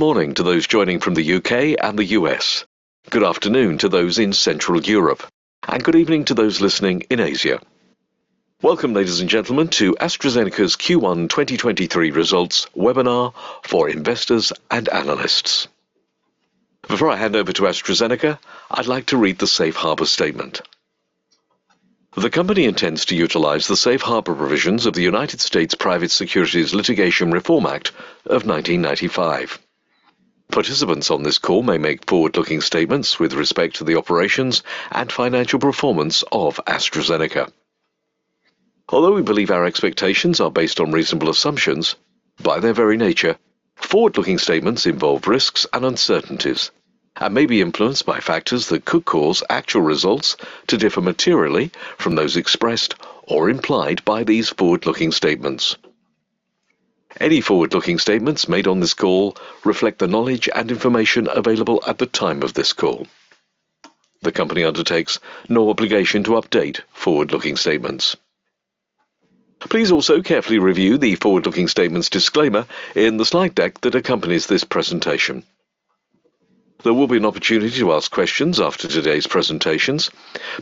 Good morning to those joining from the U.K. and the U.S. Good afternoon to those in Central Europe, and good evening to those listening in Asia. Welcome, ladies and gentlemen, to AstraZeneca's Q1 2023 results webinar for investors and analysts. Before I hand over to AstraZeneca, I'd like to read the Safe Harbor statement. The company intends to utilize the safe harbor provisions of the United States Private Securities Litigation Reform Act of 1995. Participants on this call may make forward-looking statements with respect to the operations and financial performance of AstraZeneca. Although we believe our expectations are based on reasonable assumptions, by their very nature, forward-looking statements involve risks and uncertainties and may be influenced by factors that could cause actual results to differ materially from those expressed or implied by these forward-looking statements. Any forward-looking statements made on this call reflect the knowledge and information available at the time of this call. The company undertakes no obligation to update forward-looking statements. Please also carefully review the forward-looking statements disclaimer in the slide deck that accompanies this presentation. There will be an opportunity to ask questions after today's presentations.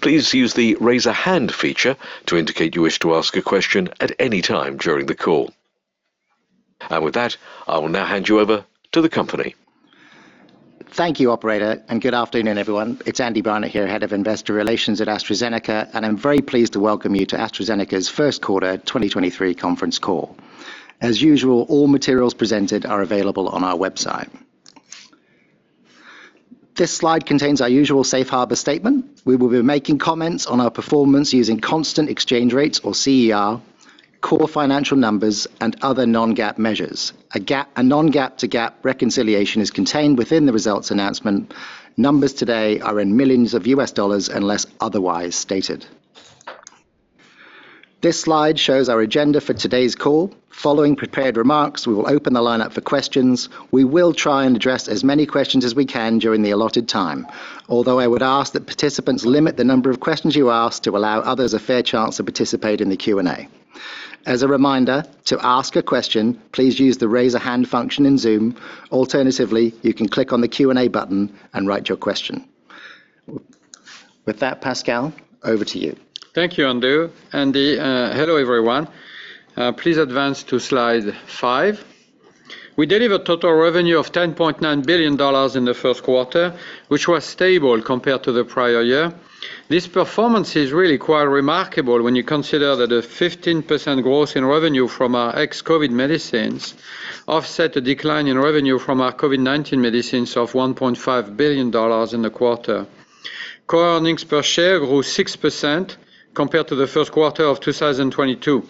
Please use the Raise-a-Hand feature to indicate you wish to ask a question at any time during the call. With that, I will now hand you over to the company. Thank you, operator. Good afternoon, everyone. It's Andy Barnett here, Head of Investor Relations at AstraZeneca, and I'm very pleased to welcome you to AstraZeneca's first quarter 2023 conference call. As usual, all materials presented are available on our website. This slide contains our usual Safe Harbor statement. We will be making comments on our performance using constant exchange rates or CER, core financial numbers, and other non-GAAP measures. A non-GAAP to GAAP reconciliation is contained within the results announcement. Numbers today are in millions of U.S. dollars unless otherwise stated. This slide shows our agenda for today's call. Following prepared remarks, we will open the line up for questions. We will try and address as many questions as we can during the allotted time. Although I would ask that participants limit the number of questions you ask to allow others a fair chance to participate in the Q&A. As a reminder, to ask a question, please use the Raise-a-Hand function in Zoom. Alternatively, you can click on the Q&A button and write your question. With that, Pascal, over to you. Thank you, Andy. Hello, everyone. Please advance to slide five. We delivered total revenue of $10.9 billion in the first quarter, which was stable compared to the prior year. This performance is really quite remarkable when you consider that a 15% growth in revenue from our ex-COVID medicines offset a decline in revenue from our COVID-19 medicines of $1.5 billion in the quarter. Core earnings per share grew 6% compared to the first quarter of 2022.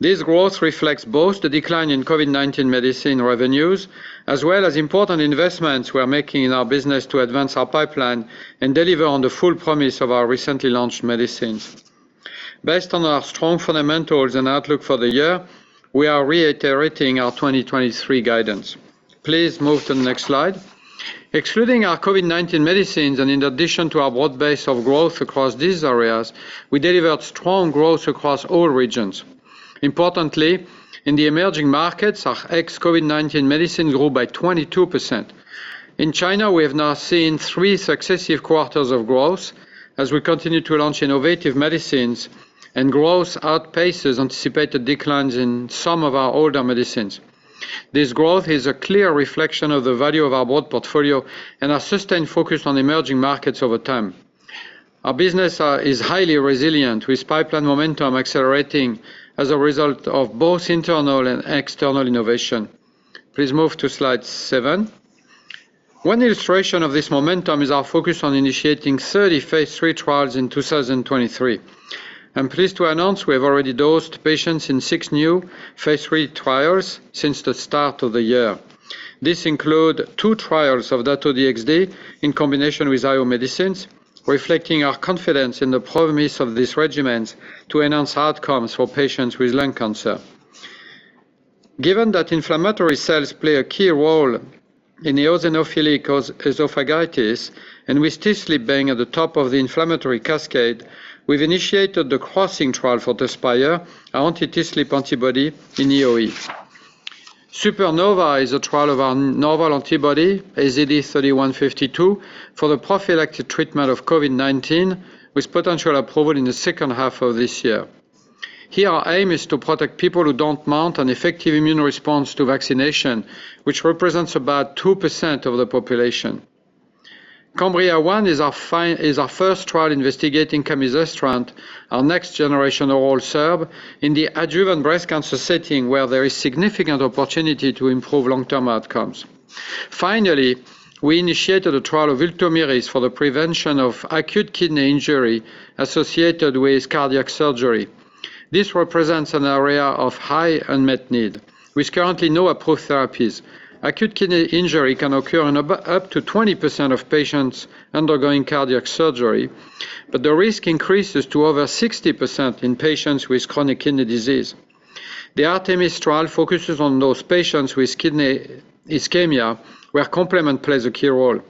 This growth reflects both the decline in COVID-19 medicine revenues as well as important investments we are making in our business to advance our pipeline and deliver on the full promise of our recently launched medicines. Based on our strong fundamentals and outlook for the year, we are reiterating our 2023 guidance. Please move to the next slide. Excluding our COVID-19 medicines and in addition to our broad base of growth across these areas, we delivered strong growth across all regions. Importantly, in the emerging markets, our ex-COVID-19 medicine grew by 22%. In China, we have now seen three successive quarters of growth as we continue to launch innovative medicines and growth outpaces anticipated declines in some of our older medicines. This growth is a clear reflection of the value of our broad portfolio and our sustained focus on emerging markets over time. Our business is highly resilient, with pipeline momentum accelerating as a result of both internal and external innovation. Please move to slide seven. One illustration of this momentum is our focus on initiating 30 phase III trials in 2023. I'm pleased to announce we have already dosed patients in six new phase III trials since the start of the year. This include two trials of Dato-DXd in combination with IO medicines, reflecting our confidence in the promise of these regimens to enhance outcomes for patients with lung cancer. Given that inflammatory cells play a key role in eosinophilic oesophagitis, with TSLP being at the top of the inflammatory cascade, we've initiated the Crossing trial for Tezspire, our anti-TSLP antibody in EoE. SUPERNOVA is a trial of our novel antibody, AZD3152, for the prophylactic treatment of COVID-19, with potential approval in the second half of this year. Here our aim is to protect people who don't mount an effective immune response to vaccination, which represents about 2% of the population. CAMBRIA-1 is our first trial investigating camizestrant, our next generation oral SERD, in the adjuvant breast cancer setting where there is significant opportunity to improve long-term outcomes. Finally, we initiated a trial of Ultomiris for the prevention of acute kidney injury associated with cardiac surgery. This represents an area of high unmet need. With currently no approved therapies, acute kidney injury can occur up to 20% of patients undergoing cardiac surgery, but the risk increases to over 60% in patients with chronic kidney disease. The ARTEMIS trial focuses on those patients with kidney ischemia, where complement plays a key role.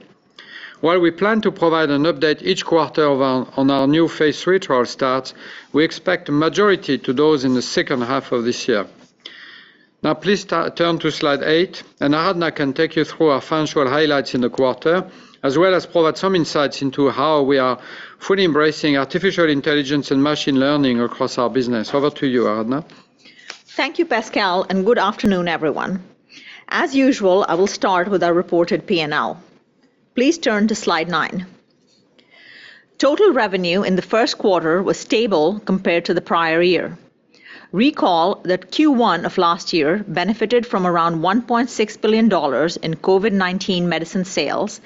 While we plan to provide an update each quarter on our new phase III trial starts, we expect a majority to those in the second half of this year. Now please turn to slide 8, and Aradhana can take you through our financial highlights in the quarter, as well as provide some insights into how we are fully embracing artificial intelligence and machine learning across our business. Over to you, Aradhana. Thank you, Pascal, and good afternoon, everyone. As usual, I will start with our reported P&L. Please turn to slide nine. Total revenue in the first quarter was stable compared to the prior year. Recall that Q1 of last year benefited from around $1.6 billion in COVID-19 medicine sales,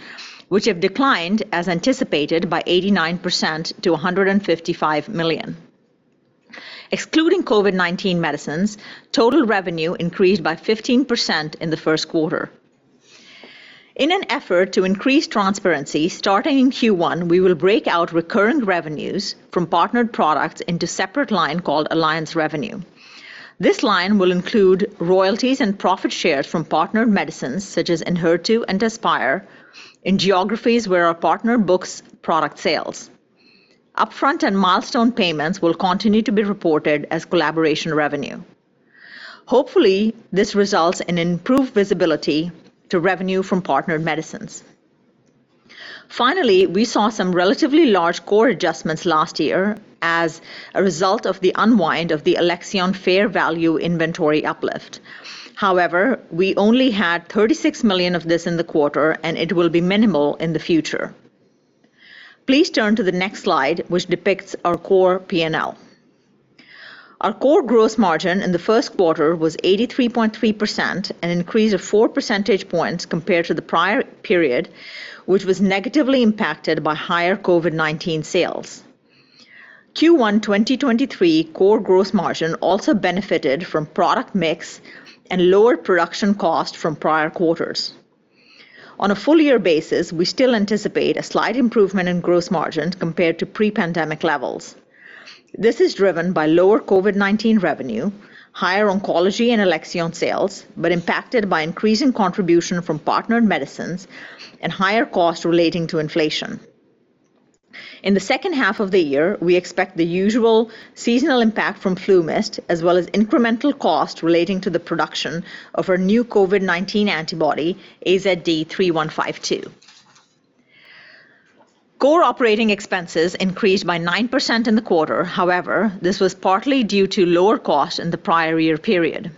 which have declined, as anticipated, by 89% to $155 million. Excluding COVID-19 medicines, total revenue increased by 15% in the first quarter. In an effort to increase transparency, starting in Q1, we will break out recurrent revenues from partnered products into separate line called Alliance Revenue. This line will include royalties and profit shares from partnered medicines, such as Enhertu and Tezspire, in geographies where our partner books product sales. Upfront and milestone payments will continue to be reported as Collaboration Revenue. Hopefully, this results in improved visibility to revenue from partnered medicines. Finally, we saw some relatively large core adjustments last year as a result of the unwind of the Alexion fair value inventory uplift. We only had $36 million of this in the quarter, and it will be minimal in the future. Please turn to the next slide, which depicts our core P&L. Our core gross margin in the first quarter was 83.3%, an increase of 4 percentage points compared to the prior period, which was negatively impacted by higher COVID-19 sales. Q1 2023 core gross margin also benefited from product mix and lower production cost from prior quarters. On a full year basis, we still anticipate a slight improvement in gross margins compared to pre-pandemic levels. This is driven by lower COVID-19 revenue, higher oncology and Alexion sales, impacted by increasing contribution from partnered medicines and higher costs relating to inflation. In the second half of the year, we expect the usual seasonal impact from FluMist, as well as incremental cost relating to the production of our new COVID-19 antibody, AZD3152. Core operating expenses increased by 9% in the quarter. This was partly due to lower costs in the prior year period.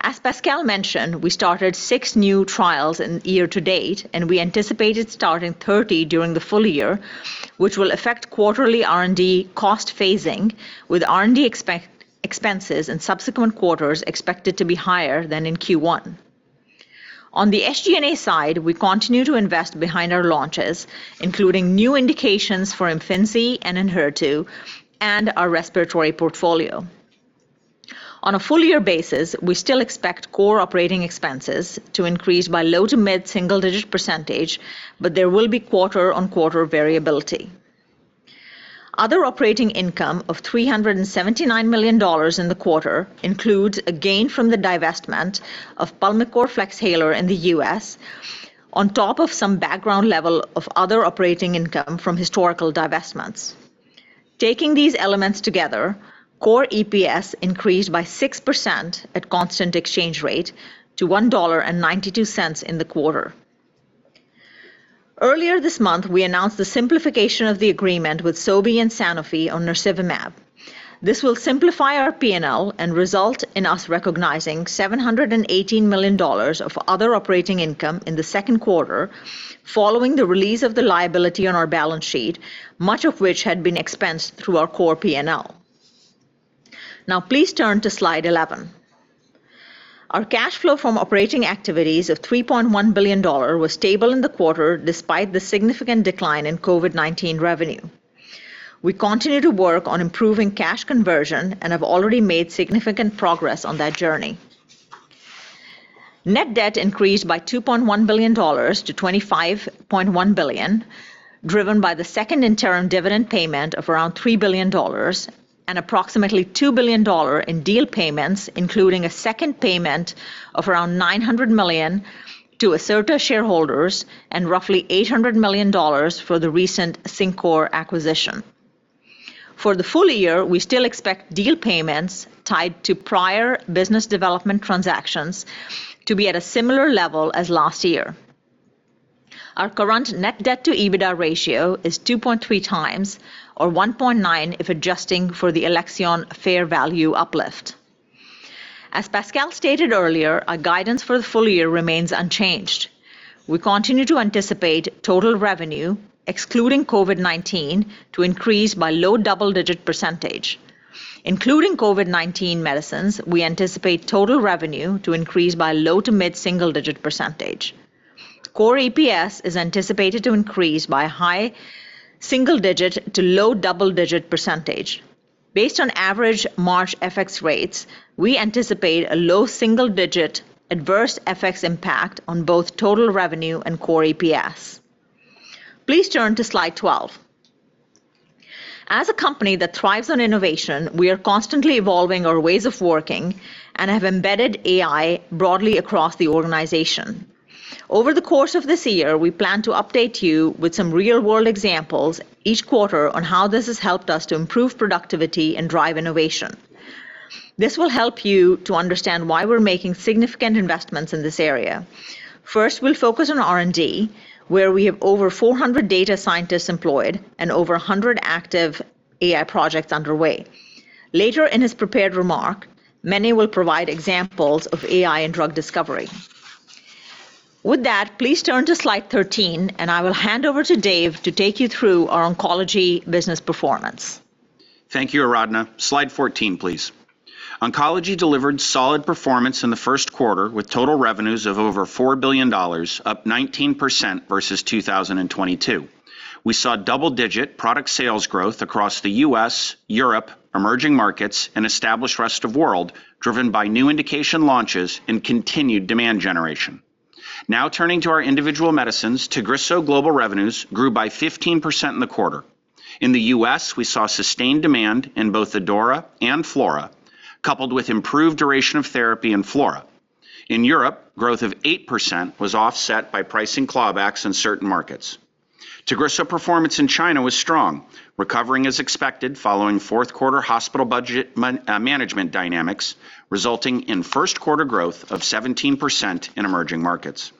As Pascal mentioned, we started six new trials year-to-date, and we anticipated starting 30 during the full year, which will affect quarterly R&D cost phasing, with R&D expenses in subsequent quarters expected to be higher than in Q1. On the SG&A side, we continue to invest behind our launches, including new indications for Imfinzi and Enhertu and our respiratory portfolio. On a full year basis, we still expect core operating expenses to increase by low- to mid-single-digit percentage there will be quarter-on-quarter variability. Other operating income of $379 million in the quarter includes a gain from the divestment of PULMICORT FLEXHALER in the U.S., on top of some background level of other operating income from historical divestments. Taking these elements together, Core EPS increased by 6% at constant exchange rate to $1.92 in the quarter. Earlier this month, we announced the simplification of the agreement with Sobi and Sanofi on nirsevimab. This will simplify our P&L and result in us recognizing $718 million of other operating income in the second quarter following the release of the liability on our balance sheet, much of which had been expensed through our core P&L. Please turn to slide 11. Our cash flow from operating activities of $3.1 billion was stable in the quarter despite the significant decline in COVID-19 revenue. We continue to work on improving cash conversion and have already made significant progress on that journey. Net debt increased by $2.1 billion to $25.1 billion, driven by the second interim dividend payment of around $3 billion and approximately $2 billion dollar in deal payments, including a second payment of around $900 million to Acerta shareholders and roughly $800 million for the recent CinCor acquisition. For the full year, we still expect deal payments tied to prior business development transactions to be at a similar level as last year. Our current net debt to EBITDA ratio is 2.3x, or 1.9x if adjusting for the Alexion fair value uplift. As Pascal stated earlier, our guidance for the full year remains unchanged. We continue to anticipate total revenue, excluding COVID-19, to increase by low double-digit percentage. Including COVID-19 medicines, we anticipate total revenue to increase by low- to mid-single-digit percentage. Core EPS is anticipated to increase by high single-digit to low double-digit percentage. Based on average March FX rates, we anticipate a low single-digit adverse FX impact on both total revenue and Core EPS. Please turn to slide 12. As a company that thrives on innovation, we are constantly evolving our ways of working and have embedded AI broadly across the organization. Over the course of this year, we plan to update you with some real-world examples each quarter on how this has helped us to improve productivity and drive innovation. This will help you to understand why we're making significant investments in this area. First, we'll focus on R&D, where we have over 400 data scientists employed and over 100 active AI projects underway. Later in his prepared remark, Mene will provide examples of AI in drug discovery. With that, please turn to slide 13, and I will hand over to Dave to take you through our oncology business performance. Thank you, Aradhana. Slide 14, please. Oncology delivered solid performance in the first quarter with total revenues of over $4 billion, up 19% versus 2022. We saw double-digit product sales growth across the U.S., Europe, emerging markets, and established rest of world, driven by new indication launches and continued demand generation. Turning to our individual medicines, Tagrisso global revenues grew by 15% in the quarter. In the U.S., we saw sustained demand in both ADAURA and FLAURA, coupled with improved duration of therapy in FLAURA. In Europe, growth of 8% was offset by pricing clawbacks in certain markets. Tagrisso performance in China was strong, recovering as expected following fourth quarter hospital budget management dynamics resulting in first quarter growth of 17% in emerging markets.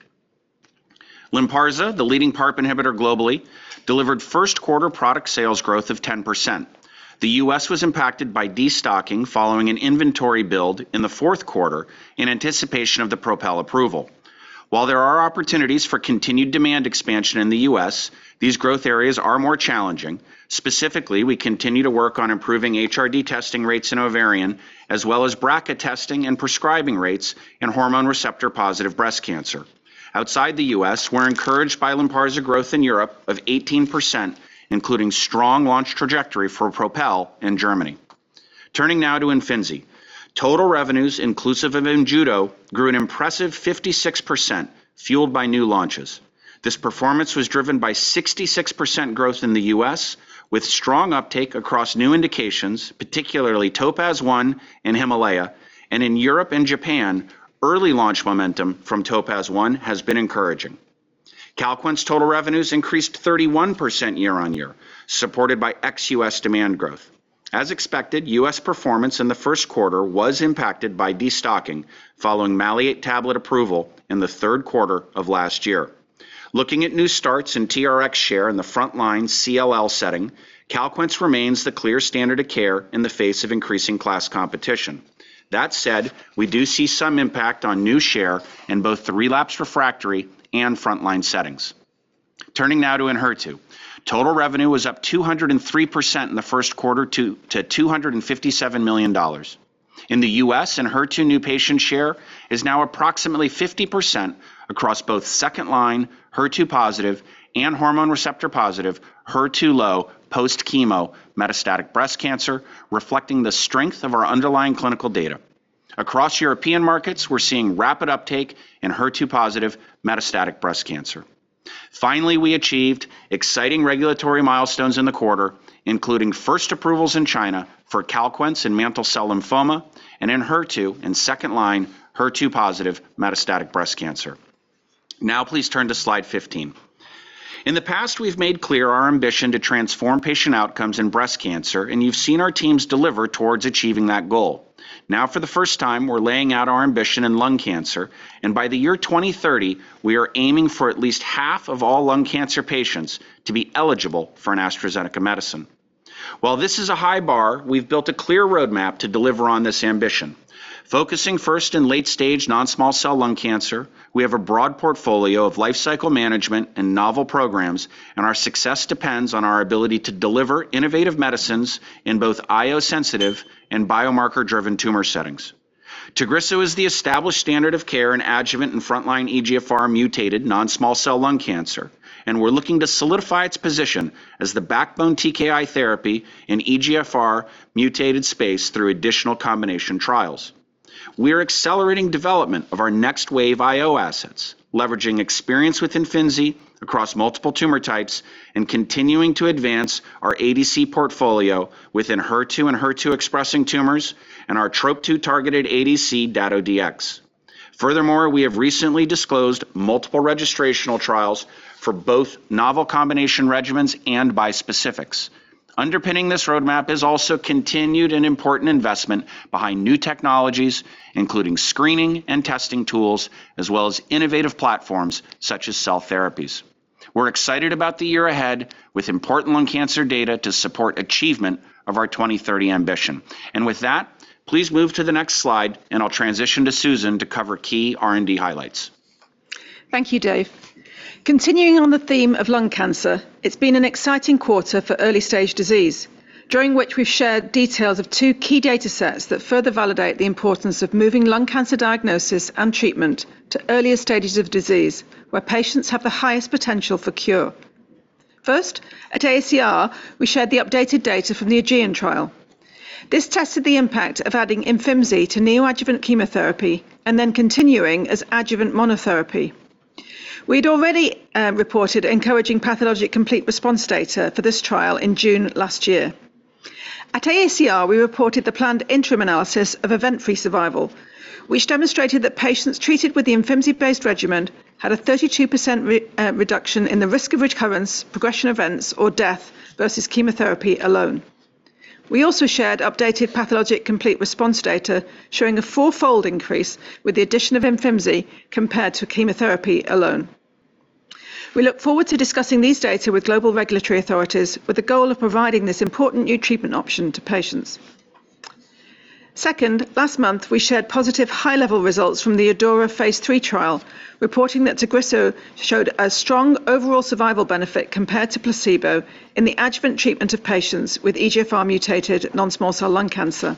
Lynparza, the leading PARP inhibitor globally, delivered first quarter product sales growth of 10%. The U.S. was impacted by destocking following an inventory build in the fourth quarter in anticipation of the PROpel approval. While there are opportunities for continued demand expansion in the U.S., these growth areas are more challenging. Specifically, we continue to work on improving HRD testing rates in ovarian, as well as bracket testing and prescribing rates in hormone receptor-positive breast cancer. Outside the U.S., we're encouraged by Lynparza growth in Europe of 18%, including strong launch trajectory for PROpel in Germany. Turning now to Imfinzi. Total revenues inclusive of Imjudo grew an impressive 56%, fueled by new launches. This performance was driven by 66% growth in the U.S. with strong uptake across new indications, particularly TOPAZ-1 and HIMALAYA, and in Europe and Japan, early launch momentum from TOPAZ-1 has been encouraging. Calquence total revenues increased 31% year-on-year, supported by ex-U.S. demand growth. As expected, U.S. performance in the first quarter was impacted by destocking following maleate tablet approval in the third quarter of last year. Looking at new starts in TRX share in the frontline CLL setting, Calquence remains the clear standard of care in the face of increasing class competition. That said, we do see some impact on new share in both the relapsed refractory and frontline settings. Turning now to Enhertu. Total revenue was up 203% in the first quarter to $257 million. In the U.S., Enhertu new patient share is now approximately 50% across both second-line, HER2-positive and hormone receptor-positive, HER2-low post-chemo metastatic breast cancer, reflecting the strength of our underlying clinical data. Across European markets, we're seeing rapid uptake in HER2-positive metastatic breast cancer. Finally, we achieved exciting regulatory milestones in the quarter, including first approvals in China for Calquence in mantle cell lymphoma and in HER2 in second-line HER2-positive metastatic breast cancer. Now please turn to slide 15. In the past, we've made clear our ambition to transform patient outcomes in breast cancer, and you've seen our teams deliver towards achieving that goal. Now for the first time, we're laying out our ambition in lung cancer, and by the year 2030, we are aiming for at least half of all lung cancer patients to be eligible for an AstraZeneca medicine. While this is a high bar, we've built a clear roadmap to deliver on this ambition. Focusing first in late-stage non-small cell lung cancer, we have a broad portfolio of life cycle management and novel programs. Our success depends on our ability to deliver innovative medicines in both IO-sensitive and biomarker-driven tumor settings. Tagrisso is the established standard of care in adjuvant and frontline EGFR-mutated non-small cell lung cancer. We're looking to solidify its position as the backbone TKI therapy in EGFR-mutated space through additional combination trials. We are accelerating development of our next wave IO assets, leveraging experience with Imfinzi across multiple tumor types and continuing to advance our ADC portfolio within HER2 and HER2 expressing tumors and our TROP2-targeted ADC Dato-DX. Furthermore, we have recently disclosed multiple registrational trials for both novel combination regimens and bispecifics. Underpinning this roadmap is also continued and important investment behind new technologies, including screening and testing tools, as well as innovative platforms such as cell therapies. We're excited about the year ahead with important lung cancer data to support achievement of our 2030 ambition. With that, please move to the next slide, and I'll transition to Susan to cover key R and D highlights. Thank you, Dave. Continuing on the theme of lung cancer, it's been an exciting quarter for early-stage disease, during which we've shared details of two key data sets that further validate the importance of moving lung cancer diagnosis and treatment to earlier stages of disease, where patients have the highest potential for cure. First, at AACR, we shared the updated data from the AEGEAN trial. This tested the impact of adding Imfinzi to neoadjuvant chemotherapy and then continuing as adjuvant monotherapy We'd already reported encouraging pathologic complete response data for this trial in June last year. At AACR, we reported the planned interim analysis of event-free survival which demonstrated that patients treated with the Imfinzi-based regimen had a 32% reduction in the risk of recurrence, progression events, or death versus chemotherapy alone. We also shared updated pathologic complete response data showing a four-fold increase with the addition of Imfinzi compared to chemotherapy alone. We look forward to discussing these data with global regulatory authorities with the goal of providing this important new treatment option to patients. Second, last month we shared positive high-level results from the ADAURA phase III trial, reporting that Tagrisso showed a strong overall survival benefit compared to placebo in the adjuvant treatment of patients with EGFR-mutated non-small cell lung cancer.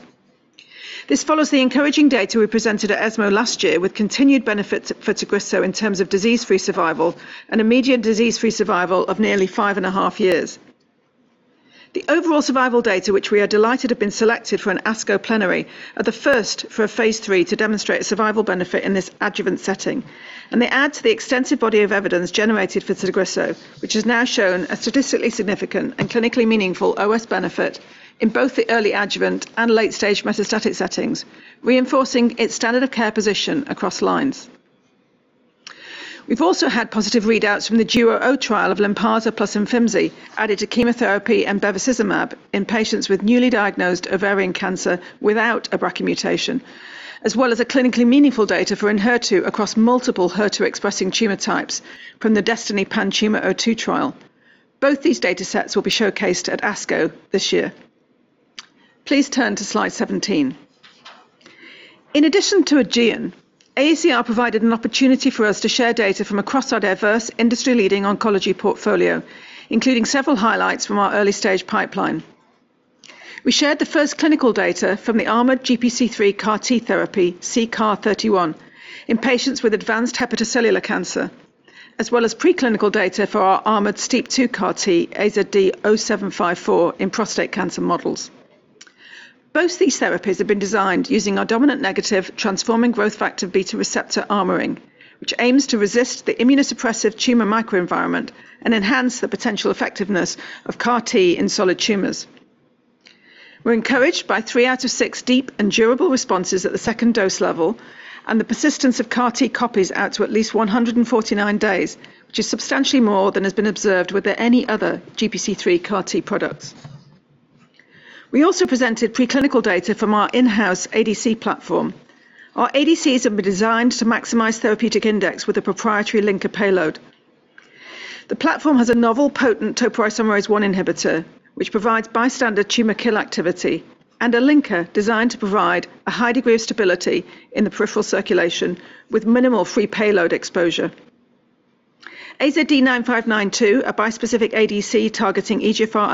This follows the encouraging data we presented at ESMO last year with continued benefit for Tagrisso in terms of disease-free survival and a median disease-free survival of nearly five and a half years. The overall survival data which we are delighted have been selected for an ASCO plenary are the first for a phase III to demonstrate a survival benefit in this adjuvant setting. They add to the extensive body of evidence generated for Tagrisso, which has now shown a statistically significant and clinically meaningful OS benefit in both the early adjuvant and late stage metastatic settings, reinforcing its standard of care position across lines. We've also had positive readouts from the DUO-O trial of Lynparza plus Imfinzi added to chemotherapy and bevacizumab in patients with newly diagnosed ovarian cancer without a BRCA mutation, as well as clinically meaningful data for Enhertu across multiple HER2-expressing tumor types from the DESTINY-PanTumor02 trial. Both these datasets will be showcased at ASCO this year. Please turn to slide 17. In addition to AEGEAN, AACR provided an opportunity for us to share data from across our diverse industry-leading oncology portfolio, including several highlights from our early-stage pipeline. We shared the first clinical data from the armored GPC3 CAR-T therapy, C-CAR031, in patients with advanced hepatocellular cancer, as well as preclinical data for our armored STEAP2 CAR-T, AZD0754, in prostate cancer models. Both these therapies have been designed using our dominant-negative transforming growth factor beta receptor armoring, which aims to resist the immunosuppressive tumor microenvironment and enhance the potential effectiveness of CAR-T in solid tumors. We're encouraged by three out of six deep and durable responses at the second dose level and the persistence of CAR-T copies out to at least 149 days, which is substantially more than has been observed with any other GPC3 CAR-T products. We also presented preclinical data from our in-house ADC platform. Our ADCs have been designed to maximize therapeutic index with a proprietary linker payload. The platform has a novel potent topoisomerase I inhibitor, which provides bystander tumor kill activity and a linker designed to provide a high degree of stability in the peripheral circulation with minimal free payload exposure. AZD9592, a bispecific ADC targeting EGFR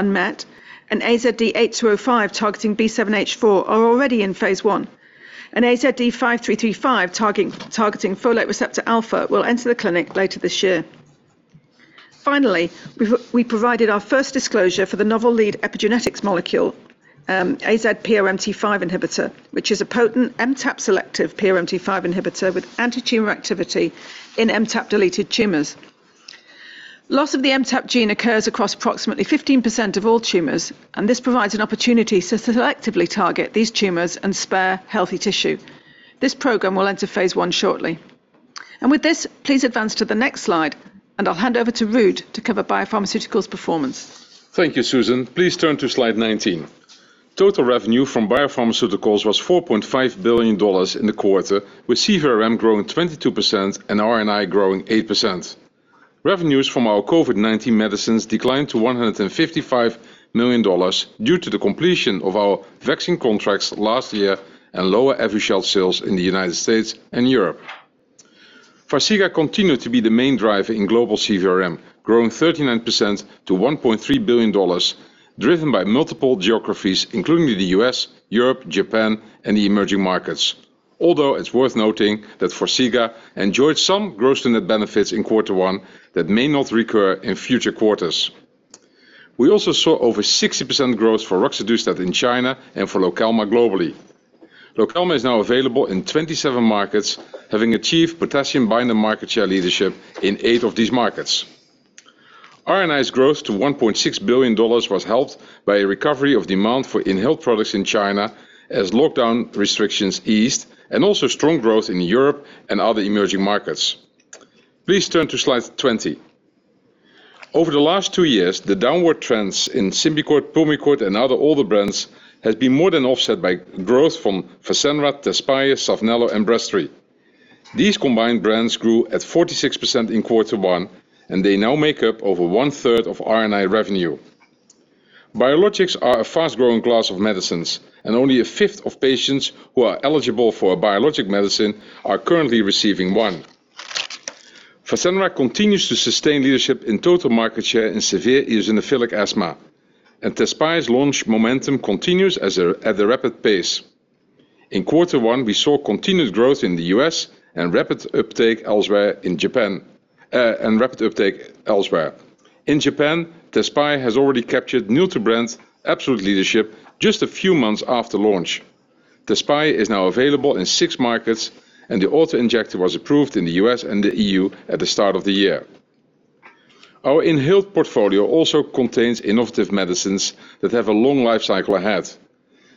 and MET, AZD8205 targeting B7H4 are already in phase I. AZD5335 targeting folate receptor alpha will enter the clinic later this year. Finally, we provided our first disclosure for the novel lead epigenetics molecule, AZ-PRMT5 inhibitor, which is a potent MTAP-selective PRMT5 inhibitor with anti-tumor activity in MTAP-deleted tumors. Loss of the MTAP gene occurs across approximately 15% of all tumors, and this provides an opportunity to selectively target these tumors and spare healthy tissue. This program will enter phase I shortly. With this, please advance to the next slide, and I'll hand over to Ruud to cover BioPharmaceuticals performance. Thank you, Susan. Please turn to slide 19. Total revenue from biopharmaceuticals was $4.5 billion in the quarter, with CVRM growing 22% and R&I growing 8%. Revenues from our COVID-19 medicines declined to $155 million due to the completion of our vaccine contracts last year and lower Evusheld sales in the United States and Europe. Farxiga continued to be the main driver in global CVRM, growing 39% to $1.3 billion, driven by multiple geographies including the U.S., Europe, Japan, and the emerging markets. Although it's worth noting that Farxiga enjoyed some gross net benefits in quarter one that may not recur in future quarters. We also saw over 60% growth for roxadustat in China and for Lokelma globally. Lokelma is now available in 27 markets, having achieved potassium binder market share leadership in eight of these markets. R&I's growth to $1.6 billion was helped by a recovery of demand for inhaled products in China as lockdown restrictions eased and also strong growth in Europe and other emerging markets. Please turn to slide 20. Over the last two years, the downward trends in Symbicort, Pulmicort, and other older brands has been more than offset by growth from Fasenra, Tezspire, Saphnelo, and Breztri. These combined brands grew at 46% in quarter one. They now make up over 1/3 of R&I revenue. Biologics are a fast-growing class of medicines. Only 1/5 of patients who are eligible for a biologic medicine are currently receiving one. Fasenra continues to sustain leadership in total market share in severe eosinophilic asthma. Tezspire launch momentum continues at a rapid pace. In quarter one, we saw continued growth in the U.S. and rapid uptake elsewhere. In Japan, Tezspire has already captured new to brand absolute leadership just a few months after launch. Tezspire is now available in six markets. The auto-injector was approved in the U.S. and the EU at the start of the year. Our inhaled portfolio also contains innovative medicines that have a long life cycle ahead.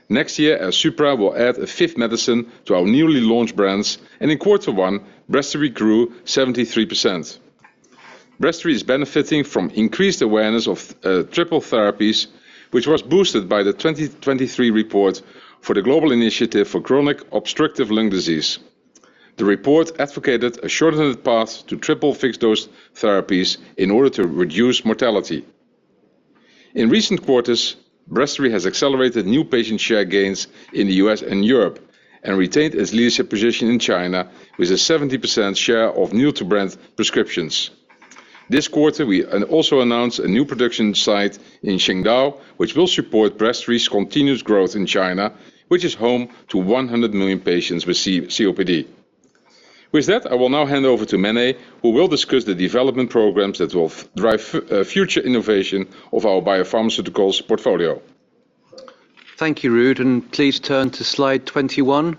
Next year, Airsupra will add a fifth medicine to our newly launched brands. In quarter one, Breztri grew 73%. Breztri is benefiting from increased awareness of triple therapies, which was boosted by the 2023 report for the Global Initiative for Chronic Obstructive Lung Disease. The report advocated a shortened path to triple fixed-dose therapies in order to reduce mortality. In recent quarters, Breztri has accelerated new patient share gains in the U.S. and Europe and retained its leadership position in China with a 70% share of new-to-brand prescriptions. This quarter, we also announced a new production site in Qingdao, which will support Breztri's continuous growth in China, which is home to 100 million patients with COPD. With that, I will now hand over to Mene, who will discuss the development programs that will drive future innovation of our biopharmaceuticals portfolio. Thank you, Ruud. Please turn to slide 21.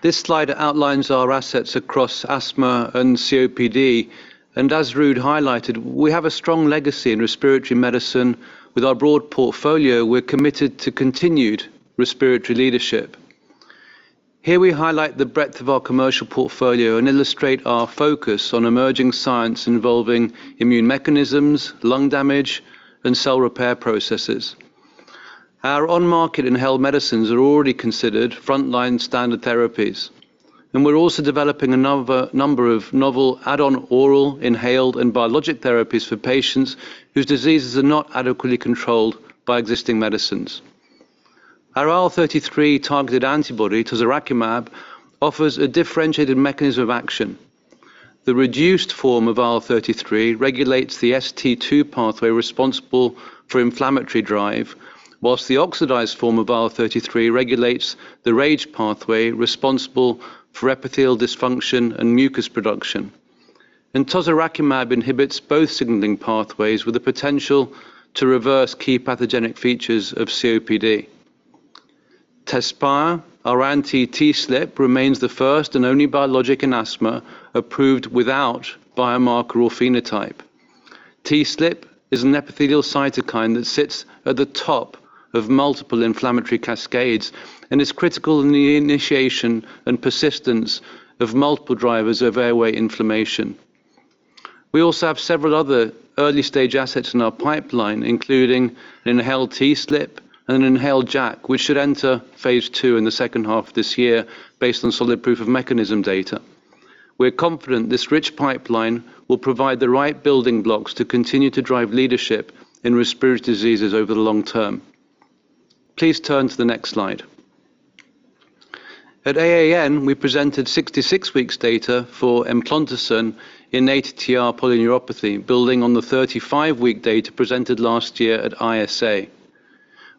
This slide outlines our assets across asthma and COPD. As Ruud highlighted, we have a strong legacy in respiratory medicine. With our broad portfolio, we're committed to continued respiratory leadership. Here we highlight the breadth of our commercial portfolio and illustrate our focus on emerging science involving immune mechanisms, lung damage, and cell repair processes. Our on-market inhaled medicines are already considered frontline standard therapies. We're also developing a number of novel add-on oral, inhaled, and biologic therapies for patients whose diseases are not adequately controlled by existing medicines. Our IL-33-targeted antibody, tozorakimab, offers a differentiated mechanism of action. The reduced form of IL-33 regulates the ST2 pathway responsible for inflammatory drive, while the oxidized form of IL-33 regulates the RAGE pathway responsible for epithelial dysfunction and mucus production. Tozorakimab inhibits both signaling pathways with the potential to reverse key pathogenic features of COPD. Tezspire, our anti-TSLP, remains the first and only biologic in asthma approved without biomarker or phenotype. TSLP is an epithelial cytokine that sits at the top of multiple inflammatory cascades and is critical in the initiation and persistence of multiple drivers of airway inflammation. We also have several other early-stage assets in our pipeline, including an inhaled TSLP and an inhaled JAK, which should enter phase II in the second half of this year based on solid proof-of-mechanism data. We're confident this rich pipeline will provide the right building blocks to continue to drive leadership in respiratory diseases over the long term. Please turn to the next slide. At AAN, we presented 66 weeks data for eplontersen in ATTR polyneuropathy, building on the 35-week data presented last year at ISA.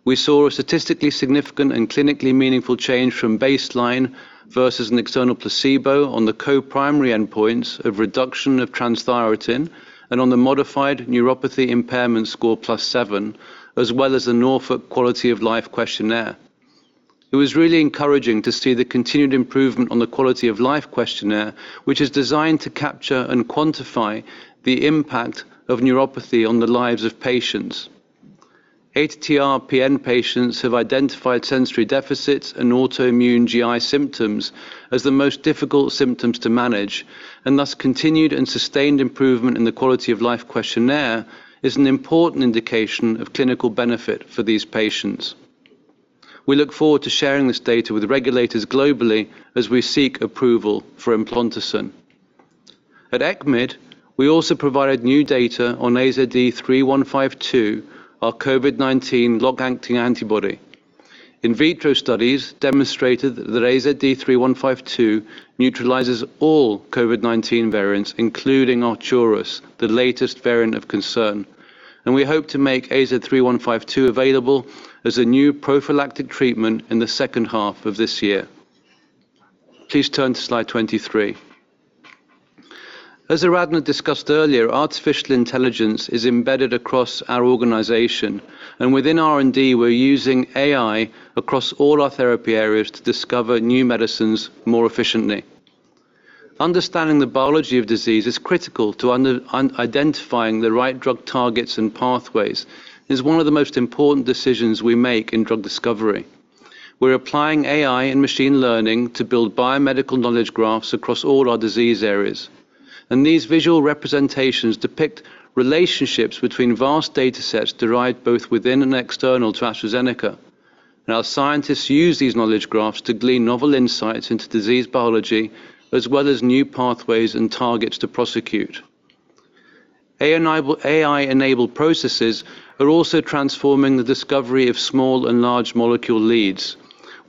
We saw a statistically significant and clinically meaningful change from baseline versus an external placebo on the co-primary endpoints of reduction of transthyretin and on the modified Neuropathy Impairment Score +7, as well as the Norfolk Quality of Life Questionnaire. It was really encouraging to see the continued improvement on the quality of life questionnaire, which is designed to capture and quantify the impact of neuropathy on the lives of patients. ATTR-PN patients have identified sensory deficits and autoimmune GI symptoms as the most difficult symptoms to manage, and thus continued and sustained improvement in the quality of life questionnaire is an important indication of clinical benefit for these patients. We look forward to sharing this data with regulators globally as we seek approval for eplontersen. At ECCMID, we also provided new data on AZD3152, our COVID-19 long-acting antibody. In-vitro studies demonstrated that AZD3152 neutralizes all COVID-19 variants, including Arcturus, the latest variant of concern. We hope to make AZD3152 available as a new prophylactic treatment in the second half of this year. Please turn to slide 23. As Aradhana discussed earlier, artificial intelligence is embedded across our organization, and within R&D, we're using AI across all our therapy areas to discover new medicines more efficiently. Understanding the biology of disease is critical to identifying the right drug targets and pathways. It's one of the most important decisions we make in drug discovery. We're applying AI and machine learning to build biomedical knowledge graphs across all our disease areas. These visual representations depict relationships between vast datasets derived both within and external to AstraZeneca. Our scientists use these knowledge graphs to glean novel insights into disease biology as well as new pathways and targets to prosecute. AI-enabled processes are also transforming the discovery of small and large molecule leads.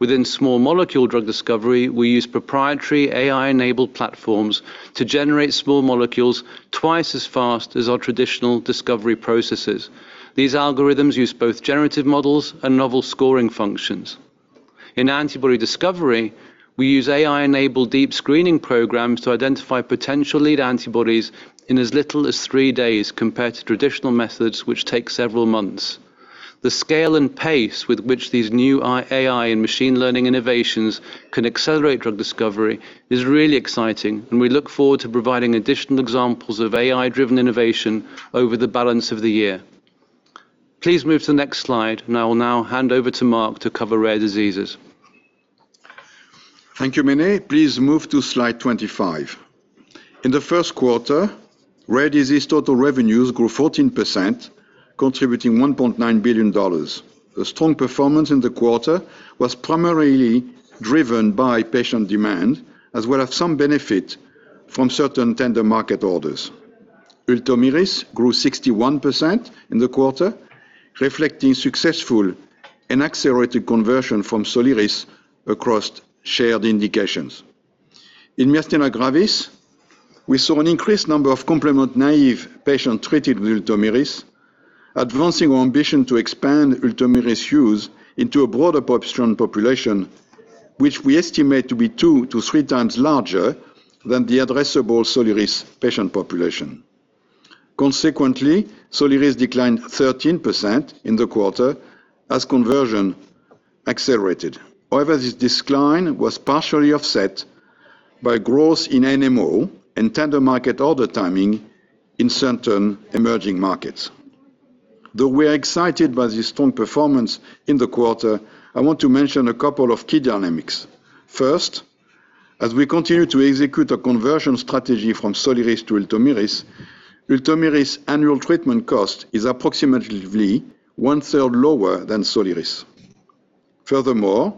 Within small molecule drug discovery, we use proprietary AI-enabled platforms to generate small molecules twice as fast as our traditional discovery processes. These algorithms use both generative models and novel scoring functions. In antibody discovery, we use AI-enabled deep screening programs to identify potential lead antibodies in as little as three days compared to traditional methods which take several months. The scale and pace with which these new AI and machine learning innovations can accelerate drug discovery is really exciting, and we look forward to providing additional examples of AI-driven innovation over the balance of the year. Please move to the next slide, and I will now hand over to Marc to cover rare diseases. Thank you, Mene. Please move to slide 25. In the first quarter, rare disease total revenues grew 14%, contributing $1.9 billion. The strong performance in the quarter was primarily driven by patient demand as well as some benefit from certain tender market orders. Ultomiris grew 61% in the quarter, reflecting successful and accelerated conversion from Soliris across shared indications. In myasthenia gravis, we saw an increased number of complement-naive patients treated with Ultomiris, advancing our ambition to expand Ultomiris use into a broader population, which we estimate to be two to three times larger than the addressable Soliris patient population. Consequently, Soliris declined 13% in the quarter as conversion accelerated. This decline was partially offset by growth in NMO and tender market order timing in certain emerging markets. Though we are excited by this strong performance in the quarter, I want to mention a couple of key dynamics. First, as we continue to execute a conversion strategy from Soliris to Ultomiris, Ultomiris annual treatment cost is approximately 1/3 lower than Soliris. Furthermore,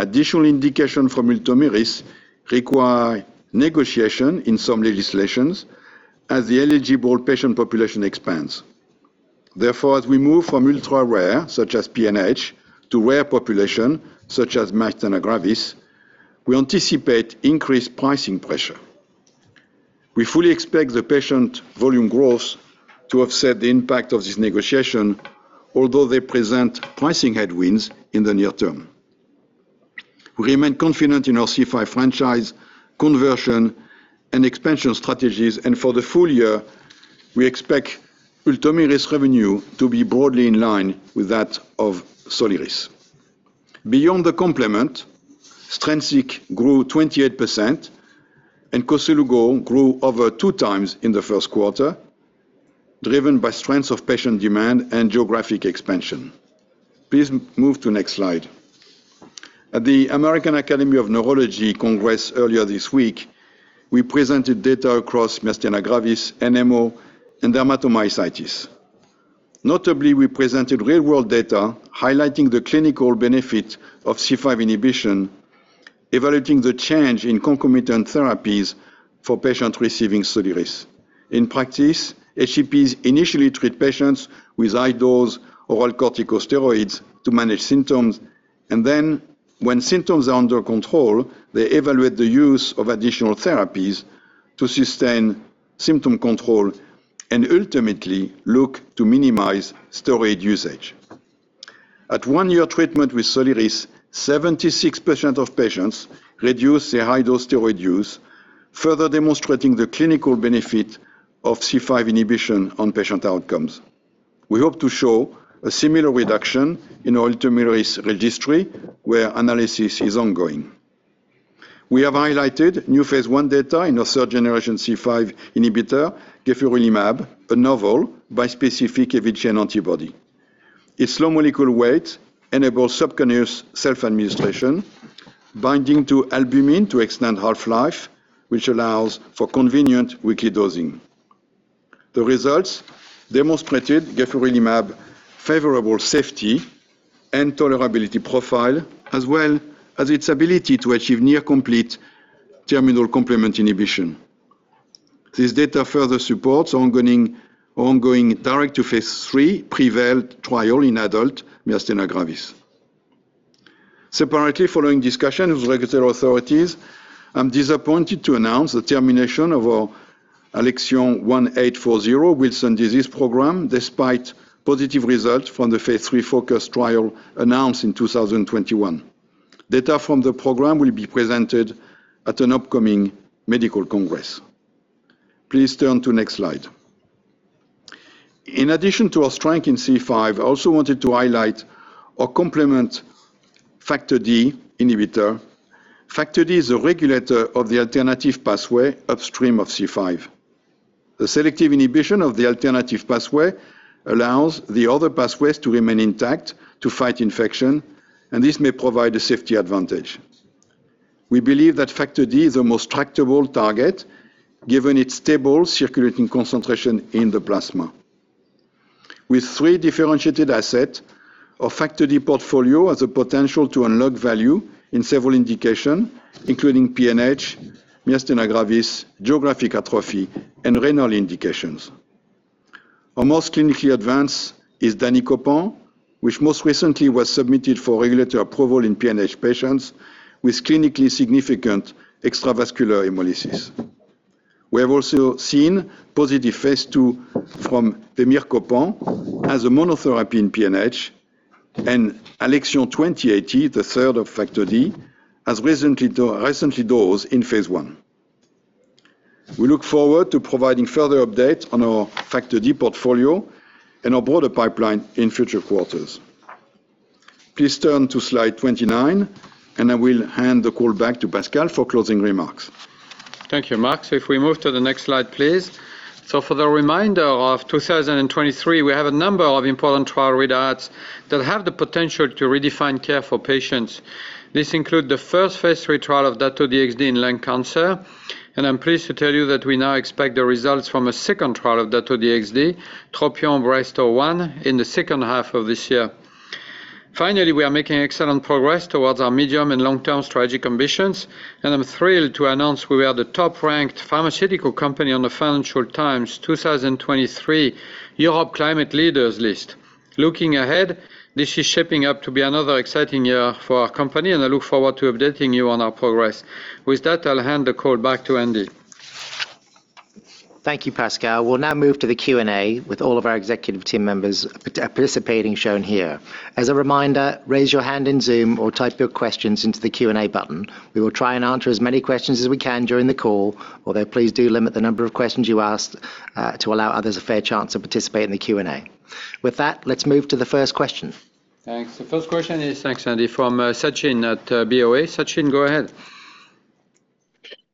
additional indication from Ultomiris require negotiation in some legislations as the eligible patient population expands. Therefore, as we move from ultra-rare, such as PNH, to rare population, such as myasthenia gravis, we anticipate increased pricing pressure. We fully expect the patient volume growth to offset the impact of this negotiation, although they present pricing headwinds in the near term. We remain confident in our C5 franchise conversion and expansion strategies. For the full year, we expect Ultomiris revenue to be broadly in line with that of Soliris. Beyond the complement, Strensiq grew 28% and Koselugo grew over 2x in the first quarter, driven by strengths of patient demand and geographic expansion. Please move to next slide. At the American Academy of Neurology Congress earlier this week, we presented data across myasthenia gravis, NMO, and dermatomyositis. Notably, we presented real-world data highlighting the clinical benefit of C5 inhibition, evaluating the change in concomitant therapies for patients receiving Soliris. In practice, HEPs initially treat patients with high-dose oral corticosteroids to manage symptoms. When symptoms are under control, they evaluate the use of additional therapies to sustain symptom control and ultimately look to minimize steroid usage. At one-year treatment with Soliris, 76% of patients reduced their high-dose steroid use, further demonstrating the clinical benefit of C5 inhibition on patient outcomes. We hope to show a similar reduction in our Ultomiris registry, where analysis is ongoing. We have highlighted new phase I data in our third-generation C5 inhibitor, gefurulimab, a novel bispecific heavy-chain antibody. Its low molecular weight enables subcutaneous self-administration, binding to albumin to extend half-life, which allows for convenient weekly dosing. The results demonstrated gefurulimab's favorable safety and tolerability profile as well as its ability to achieve near complete terminal complement inhibition. This data further supports ongoing direct to phase III PREVAIL trial in adult myasthenia gravis. Following discussion with regulatory authorities, I'm disappointed to announce the termination of our ALXN1840 Wilson disease program, despite positive results from the phase III FoCus trial announced in 2021. Data from the program will be presented at an upcoming medical congress. Please turn to next slide. In addition to our strength in C5, I also wanted to highlight our complement Factor D inhibitor. Factor D is a regulator of the alternative pathway upstream of C5. The selective inhibition of the alternative pathway allows the other pathways to remain intact to fight infection, and this may provide a safety advantage. We believe that Factor D is the most tractable target given its stable circulating concentration in the plasma. With three differentiated asset, our Factor D portfolio has a potential to unlock value in several indication, including PNH, myasthenia gravis, geographic atrophy, and renal indications. Our most clinically advanced is danicopan, which most recently was submitted for regulatory approval in PNH patients with clinically significant extravascular hemolysis. We have also seen positive phase II from vemircopan as a monotherapy in PNH. ALXN2080, the third of Factor D, has recently dosed in phase I. We look forward to providing further updates on our Factor D portfolio and our broader pipeline in future quarters. Please turn to slide 29. I will hand the call back to Pascal for closing remarks. Thank you, Marc. If we move to the next slide, please. For the remainder of 2023, we have a number of important trial readouts that have the potential to redefine care for patients. This include the first phase III trial of Dato-DXd in lung cancer, and I'm pleased to tell you that we now expect the results from a second trial of Dato-DXd, TROPION-Breast01, in the second half of this year. Finally, we are making excellent progress towards our medium- and long-term strategic ambitions, and I'm thrilled to announce we are the top-ranked pharmaceutical company on the Financial Times 2023 Europe Climate Leaders list. Looking ahead, this is shaping up to be another exciting year for our company, and I look forward to updating you on our progress. With that, I'll hand the call back to Andy. Thank you, Pascal. We'll now move to the Q&A with all of our executive team members participating shown here. As a reminder, raise your hand in Zoom or type your questions into the Q&A button. We will try and answer as many questions as we can during the call, although please do limit the number of questions you ask to allow others a fair chance to participate in the Q&A. With that, let's move to the first question. Thanks. The first question is, thanks, Andy, from Sachin at BoA. Sachin, go ahead.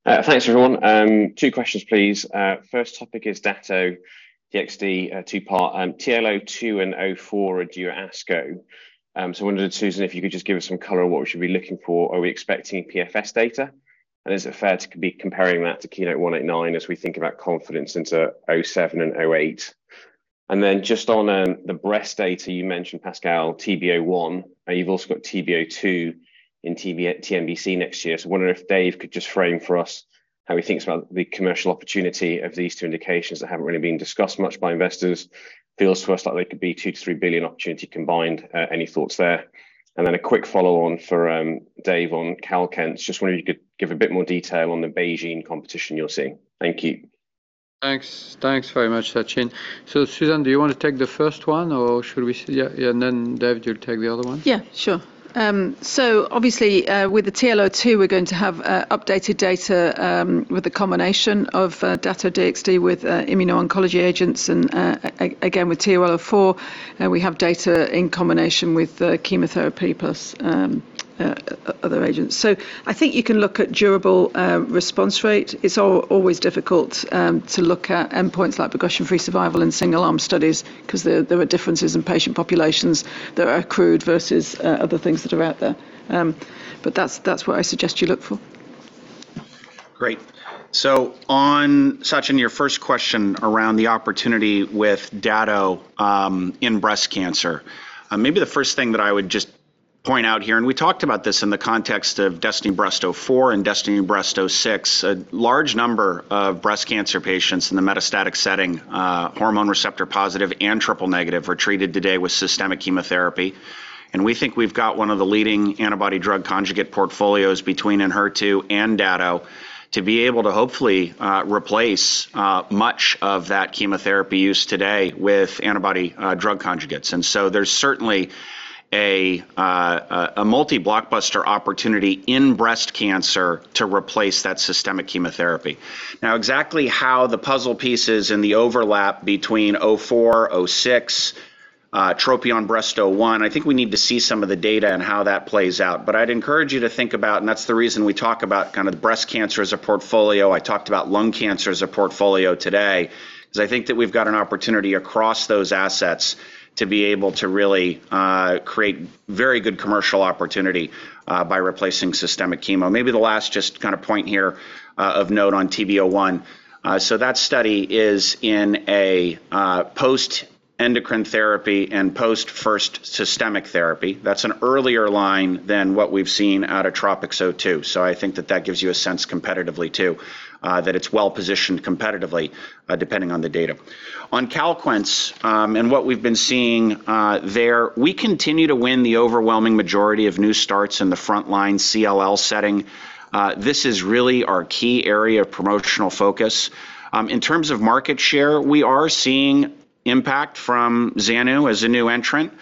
Thanks, everyone. Two questions, please. First topic is Dato-DXd, two part. T-L02 and 04 are due ASCO. So I wondered, Susan, if you could just give us some color on what we should be looking for. Are we expecting PFS data? Is it fair to be comparing that to KEYNOTE-189 as we think about confidence into 07 and 08? Just on the breast data you mentioned, Pascal, T-B01, and you've also got T-B02 in TNBC next year. Wondering if Dave could just frame for us how he thinks about the commercial opportunity of these two indications that haven't really been discussed much by investors. Feels to us like they could be $2 billion, $3 billion opportunity combined. Any thoughts there? A quick follow-on for Dave on Calquence. Just wondering if you could give a bit more detail on the BeiGene competition you're seeing. Thank you. Thanks. Thanks very much, Sachin. Susan, do you wanna take the first one, or should we— Yeah, and then Dave, you'll take the other one? Yeah, sure. Obviously, with the T-L02, we're going to have updated data with the combination of Dato-DXd with immuno-oncology agents. Again, with T-L04, we have data in combination with the chemotherapy plus other agents. I think you can look at durable response rate. It's always difficult to look at endpoints like progression-free survival in single-arm studies because there are differences in patient populations that are accrued versus other things that are out there. That's what I suggest you look for. Great. On, Sachin, your first question around the opportunity with Dato in breast cancer. Maybe the first thing that I would just point out here, and we talked about this in the context of DESTINY-Breast04 and DESTINY-Breast06. A large number of breast cancer patients in the metastatic setting, hormone receptor positive and triple negative, are treated today with systemic chemotherapy. We think we've got one of the leading antibody-drug conjugate portfolios between Enhertu and Dato to be able to hopefully replace much of that chemotherapy use today with antibody-drug conjugates. There's certainly a multi-blockbuster opportunity in breast cancer to replace that systemic chemotherapy. Exactly how the puzzle pieces and the overlap between 04, 06, TROPION-Breast01, I think we need to see some of the data and how that plays out. I'd encourage you to think about, and that's the reason we talk about kinda the breast cancer as a portfolio. I talked about lung cancer as a portfolio today, because I think that we've got an opportunity across those assets to be able to really create very good commercial opportunity by replacing systemic chemo. Maybe the last just kinda point here of note on T-B01. That study is in a post-endocrine therapy and post first systemic therapy. That's an earlier line than what we've seen out of TROPiCS-02. I think that that gives you a sense competitively too, that it's well-positioned competitively, depending on the data. On Calquence, and what we've been seeing there, we continue to win the overwhelming majority of new starts in the frontline CLL setting. This is really our key area of promotional focus. In terms of market share, we are seeing impact from Zanu as a new entrant.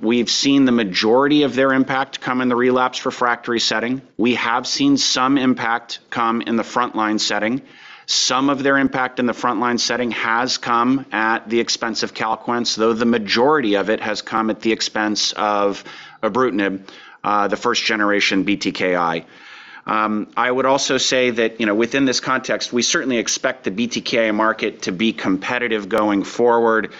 We've seen the majority of their impact come in the relapse refractory setting. We have seen some impact come in the frontline setting. Some of their impact in the frontline setting has come at the expense of Calquence, though the majority of it has come at the expense of ibrutinib, the first generation BTKI. I would also say that, you know, within this context, we certainly expect the BTKI market to be competitive going forward.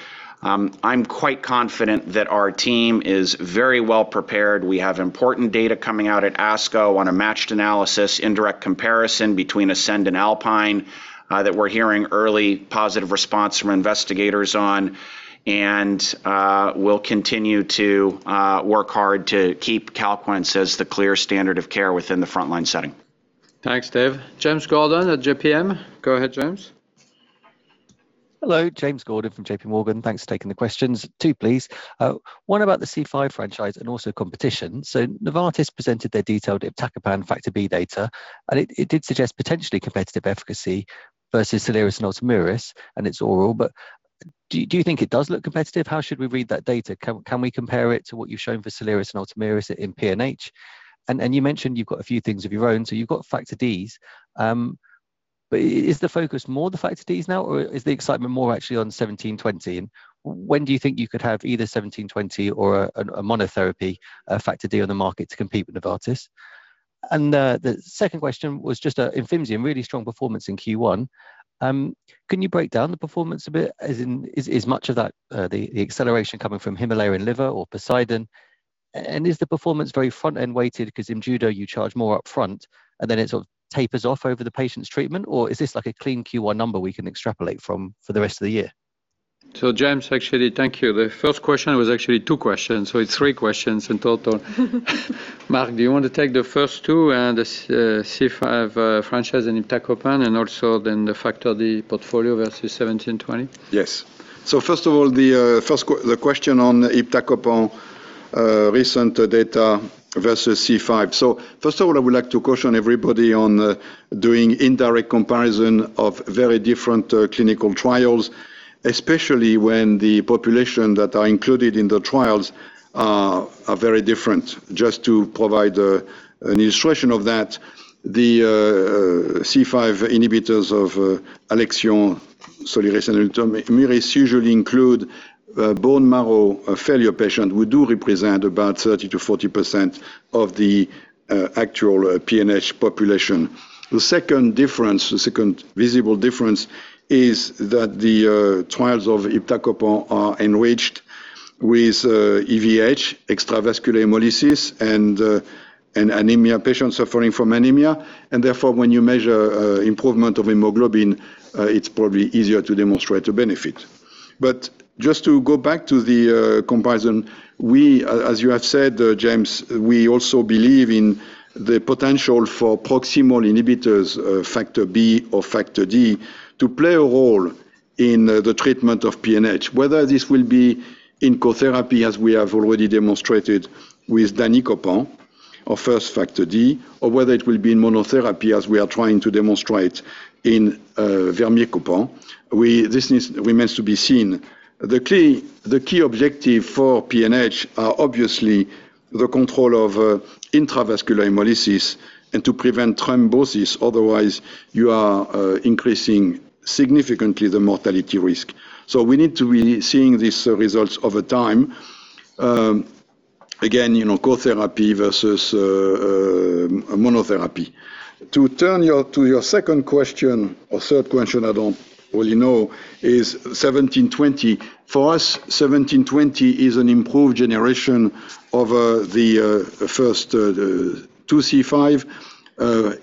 I'm quite confident that our team is very well prepared. We have important data coming out at ASCO on a matched analysis, indirect comparison between ASCEND and ALPINE, that we're hearing early positive response from investigators on, and we'll continue to work hard to keep Calquence as the clear standard of care within the frontline setting. Thanks, Dave. James Gordon at JPM. Go ahead, James. Hello, James Gordon from JPMorgan. Thanks for taking the questions. Two, please. One about the C5 franchise and also competition. Novartis presented their detailed iptacopan Factor B data, and it did suggest potentially competitive efficacy versus Soliris and Ultomiris, and it's oral. Do you think it does look competitive? How should we read that data? Can we compare it to what you've shown for Soliris and Ultomiris in PNH? You mentioned you've got a few things of your own, so you've got Factor Ds. Is the focus more the Factor Ds now, or is the excitement more actually on 1720? When do you think you could have either 1720 or a monotherapy Factor D on the market to compete with Novartis? The second question was just Imfinzi, a really strong performance in Q1. Can you break down the performance a bit? As in, is much of that the acceleration coming from HIMALAYA in liver or POSEIDON? Is the performance very front-end weighted because Imjudo you charge more up front, and then it sort of tapers off over the patient's treatment? Or is this like a clean Q1 number we can extrapolate from for the rest of the year? James, actually, thank you. The first question was actually two questions, it's three questions in total. Marc, do you want to take the first two, the C5 franchise and iptacopan, the Factor D portfolio versus 1720? Yes. First of all, the question on iptacopan recent data versus C5. First of all, I would like to caution everybody on doing indirect comparison of very different clinical trials, especially when the population that are included in the trials are very different. Just to provide an illustration of that, the C5 inhibitors of Alexion Soliris and Ultomiris usually include bone marrow failure patient who do represent about 30%-40% of the actual PNH population. The second difference, the second visible difference is that the trials of iptacopan are enriched with EVH, extravascular hemolysis, and anemia, patients suffering from anemia. Therefore, when you measure improvement of hemoglobin, it's probably easier to demonstrate a benefit. Just to go back to the comparison, we as you have said, James, we also believe in the potential for proximal inhibitors of Factor B or Factor D to play a role in the treatment of PNH. Whether this will be in co-therapy, as we have already demonstrated with danicopan, our first Factor D, or whether it will be in monotherapy, as we are trying to demonstrate in vemircopan. This remains to be seen. The key objective for PNH are obviously the control of intravascular hemolysis and to prevent thrombosis, otherwise you are increasing significantly the mortality risk. We need to be seeing these results over time. Again, you know, co-therapy versus monotherapy. To your second question or third question, I don't really know, is 1720. For us, 1720 is an improved generation of the first two C5.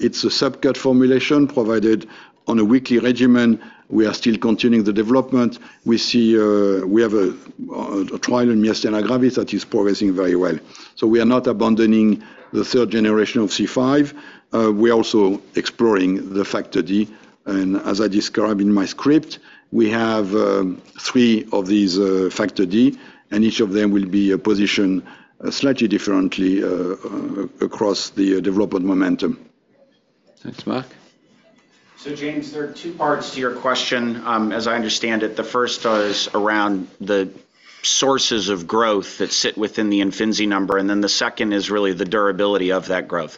It's a subcut formulation provided on a weekly regimen. We are still continuing the development. We see— We have a trial in myasthenia gravis that is progressing very well. We are not abandoning the third generation of C5. We're also exploring the Factor D. As I describe in my script, we have three of these Factor D, and each of them will be positioned slightly differently across the development momentum. Thanks, Marc. James, there are two parts to your question, as I understand it. The first is around the sources of growth that sit within the Imfinzi number, and then the second is really the durability of that growth.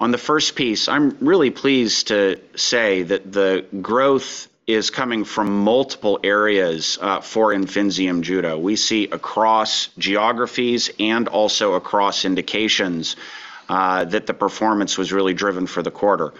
On the first piece, I'm really pleased to say that the growth is coming from multiple areas, for Imfinzi and Imjudo. We see across geographies and also across indications, that the performance was really driven for the quarter.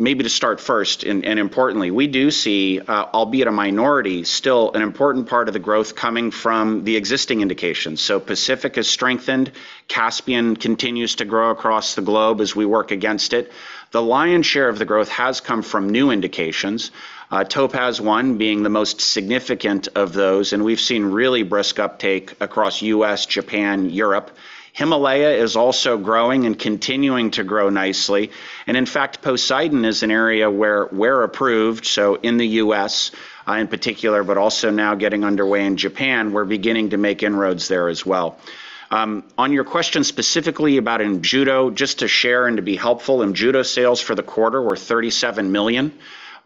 Maybe to start first and, importantly, we do see, albeit a minority, still an important part of the growth coming from the existing indications. Pacific has strengthened. Caspian continues to grow across the globe as we work against it. The lion's share of the growth has come from new indications. TOPAZ-1 being the most significant of those, we've seen really brisk uptake across U.S., Japan, Europe. HIMALAYA is also growing and continuing to grow nicely. In fact, POSEIDON is an area where we're approved, so in the U.S., in particular, but also now getting underway in Japan, we're beginning to make inroads there as well. On your question specifically about Imjudo, just to share and to be helpful, Imjudo sales for the quarter were $37 million.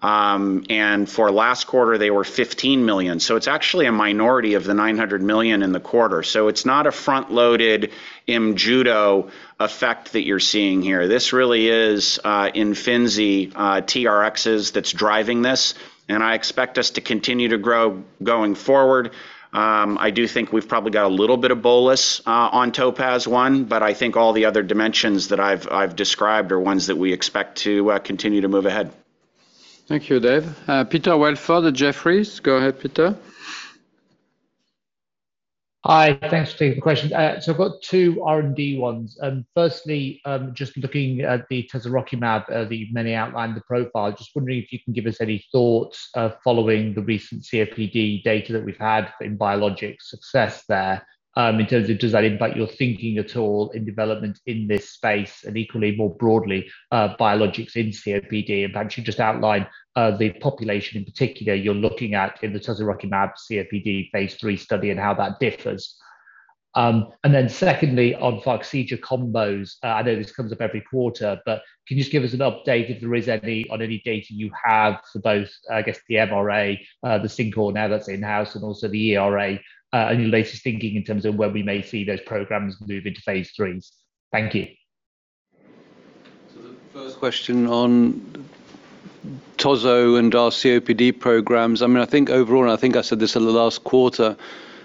For last quarter, they were $15 million. It's actually a minority of the $900 million in the quarter. It's not a front-loaded Imjudo effect that you're seeing here. This really is Imfinzi TRXs that's driving this, I expect us to continue to grow going forward. I do think we've probably got a little bit of bolus, on TOPAZ-1, but I think all the other dimensions that I've described are ones that we expect to continue to move ahead. Thank you, Dave. Peter Welford at Jefferies. Go ahead, Peter. Hi, thanks for taking question. I've got two R&D ones. Firstly, just looking at the tozorakimab, Mene outlined the profile. Just wondering if you can give us any thoughts following the recent COPD data that we've had in biologic success there, in terms of does that impact your thinking at all in development in this space and equally more broadly, biologics in COPD? And perhaps you just outlined the population in particular you're looking at in the tozorakimab COPD phase III study and how that differs. and then secondly, on Farxiga combos, I know this comes up every quarter. Can you just give us an update if there is any on any data you have for both, I guess the MRA, the CinCor now that's in-house and also the ERA, and your latest thinking in terms of when we may see those programs move into phase IIIs. Thank you. The first question on tozorakimab and our COPD programs. I mean, I think overall, and I think I said this in the last quarter,